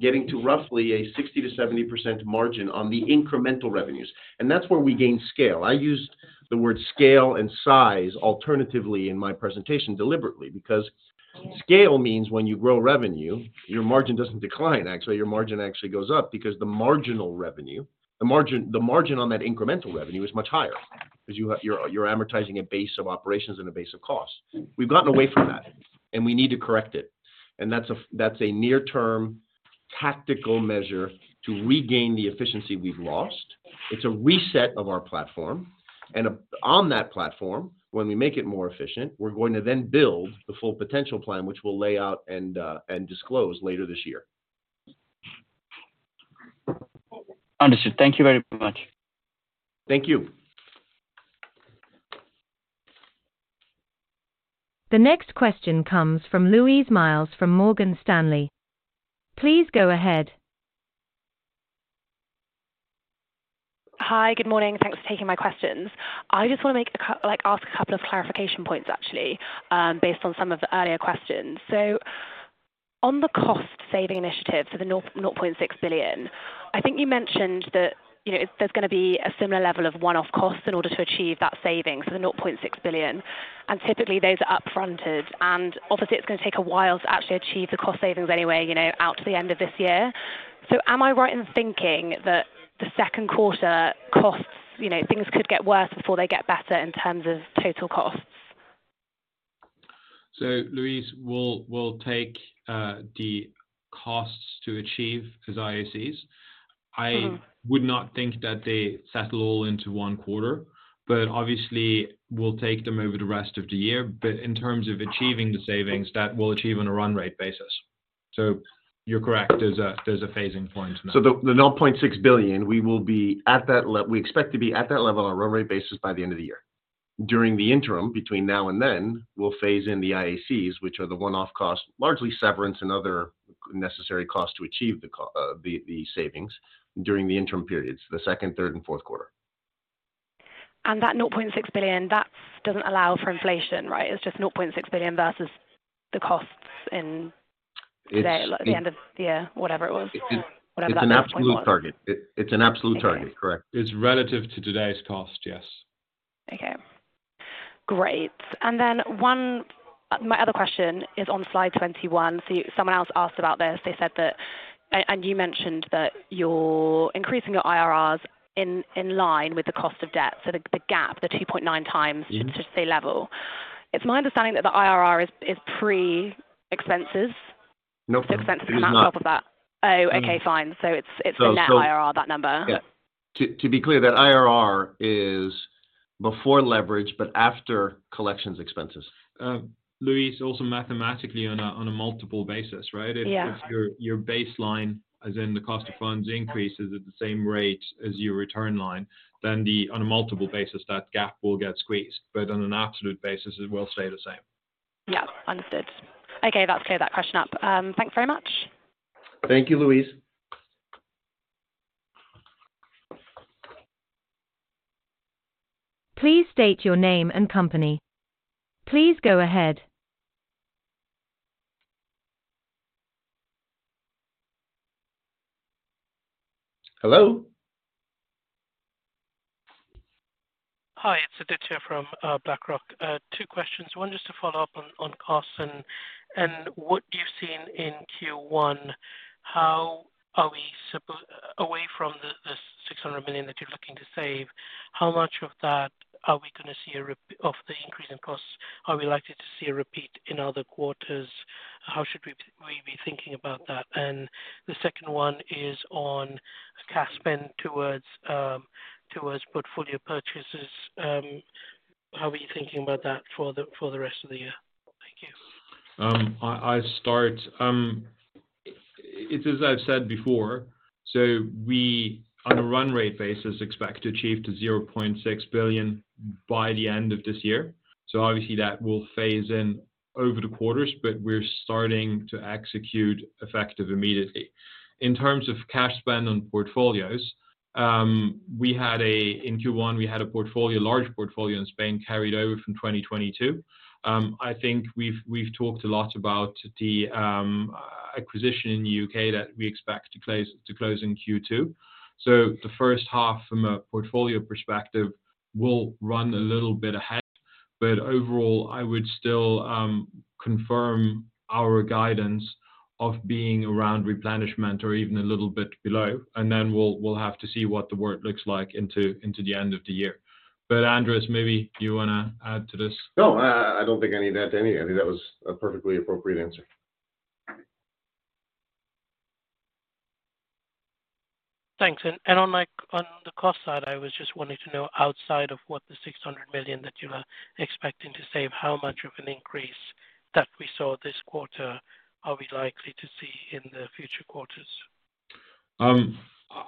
getting to roughly a 60%-70% margin on the incremental revenues. That's where we gain scale. I used the word scale and size alternatively in my presentation deliberately because scale means when you grow revenue, your margin doesn't decline. Actually, your margin goes up because the marginal revenue, the margin on that incremental revenue is much higher because you're amortizing a base of operations and a base of costs. We've gotten away from that, and we need to correct it. That's a near-term tactical measure to regain the efficiency we've lost. It's a reset of our platform. On that platform, when we make it more efficient, we're going to then build the full potential plan, which we'll lay out and disclose later this year. Understood. Thank you very much. Thank you. The next question comes from Louise Miles from Morgan Stanley. Please go ahead. Hi, good morning. Thanks for taking my questions. I just want to ask a couple of clarification points, actually, based on some of the earlier questions. On the cost-saving initiatives for the 0.6 billion, I think you mentioned that, you know, there's gonna be a similar level of one-off costs in order to achieve that saving, so the 0.6 billion. Typically, those are up-fronted. Obviously, it's gonna take a while to actually achieve the cost savings anyway, you know, out to the end of this year. Am I right in thinking that the second quarter costs, you know, things could get worse before they get better in terms of total costs? Louise, we'll take the costs to achieve as IACs. Mm-hmm. I would not think that they settle all into one quarter, obviously we'll take them over the rest of the year. In terms of achieving the savings, that we'll achieve on a run rate basis. You're correct. There's a phasing point in that. The 0.6 billion, we will be at that level we expect to be at that level on a run rate basis by the end of the year. During the interim between now and then, we'll phase in the IACs, which are the one-off costs, largely severance and other necessary costs to achieve the savings during the interim periods, the second, third and fourth quarter. That 0.6 billion, that doesn't allow for inflation, right? It's just 0.6 billion versus the costs. It's- today, at the end of the year, whatever it was. Whatever that number point was. It's an absolute target. It's an absolute target. Correct. Okay. It's relative to today's cost, yes. Okay. Great. My other question is on slide 21. Someone else asked about this. They said that, and you mentioned that you're increasing your IRRs in line with the cost of debt. The gap, the 2.9x- Yes. to stay level. It's my understanding that the IRR is pre-expenses. No. It is not. Expenses come out off of that. Oh, okay, fine. It's the net IRR, that number. Yeah. To be clear, that IRR is before leverage, but after collections expenses. Louise, also mathematically on a multiple basis, right? Yeah. If your baseline, as in the cost of funds increases at the same rate as your return line, then on a multiple basis, that gap will get squeezed. On an absolute basis, it will stay the same. Yeah. Understood. Okay. That's cleared that question up. Thanks very much. Thank you, Louise. Please state your name and company. Please go ahead. Hello. Hi, it's Aditya from BlackRock. Two questions. One just to follow up on costs and what you've seen in Q1, how are we away from the 600 million that you're looking to save, how much of that are we gonna see a repeat of the increase in costs are we likely to see a repeat in other quarters? How should we be thinking about that? The second one is on cash spend towards portfolio purchases, how are you thinking about that for the rest of the year? It's as I've said before, we, on a run rate basis, expect to achieve to 0.6 billion by the end of this year. Obviously that will phase in over the quarters, we're starting to execute effective immediately. In terms of cash spend on portfolios, in Q1, we had a portfolio, large portfolio in Spain carried over from 2022. I think we've talked a lot about the acquisition in the UK that we expect to close in Q2. The first half from a portfolio perspective will run a little bit ahead. Overall, I would still confirm our guidance of being around replenishment or even a little bit below. We'll have to see what the work looks like into the end of the year. Andrés, maybe you wanna add to this? No. I don't think I need to add to any. I think that was a perfectly appropriate answer. Thanks. On like the cost side, I was just wanting to know outside of what the 600 million that you are expecting to save, how much of an increase that we saw this quarter are we likely to see in the future quarters?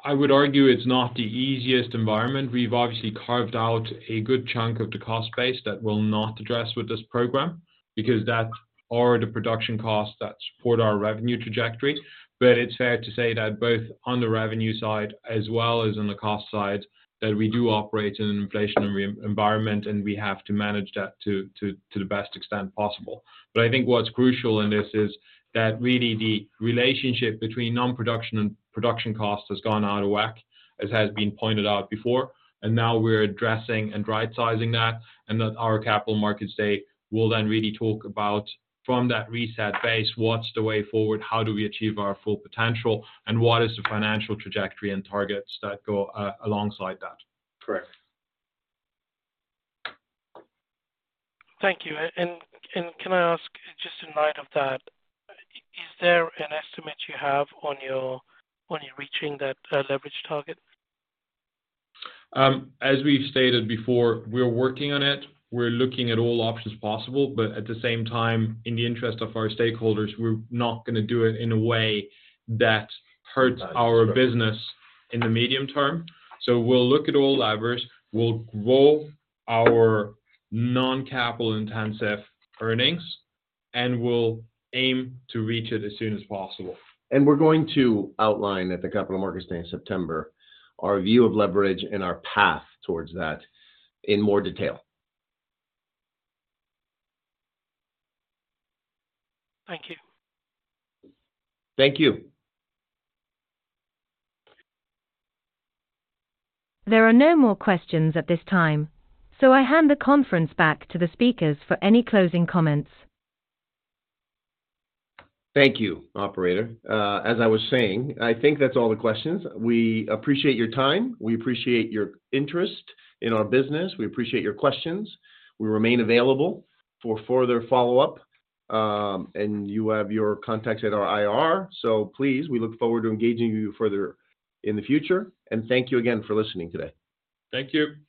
I would argue it's not the easiest environment. We've obviously carved out a good chunk of the cost base that we'll not address with this program because that's all the production costs that support our revenue trajectory. It's fair to say that both on the revenue side as well as on the cost side, that we do operate in an inflationary environment, and we have to manage that to the best extent possible. I think what's crucial in this is that really the relationship between non-production and production costs has gone out of whack, as has been pointed out before. Now we're addressing and rightsizing that, and at our Capital Markets Day, we'll then really talk about from that reset base, what's the way forward? How do we achieve our full potential? What is the financial trajectory and targets that go alongside that? Correct. Thank you. Can I ask just in light of that, is there an estimate you have on your reaching that, leverage target? As we've stated before, we're working on it. We're looking at all options possible, but at the same time, in the interest of our stakeholders, we're not gonna do it in a way that hurts our business in the medium term. We'll look at all levers. We'll grow our non-capital-intensive earnings, and we'll aim to reach it as soon as possible. We're going to outline at the Capital Markets Day in September our view of leverage and our path towards that in more detail. Thank you. Thank you. There are no more questions at this time, so I hand the conference back to the speakers for any closing comments. Thank you, operator. As I was saying, I think that's all the questions. We appreciate your time. We appreciate your interest in our business. We appreciate your questions. We remain available for further follow-up. You have your contacts at our IR. Please, we look forward to engaging you further in the future. Thank you again for listening today. Thank you.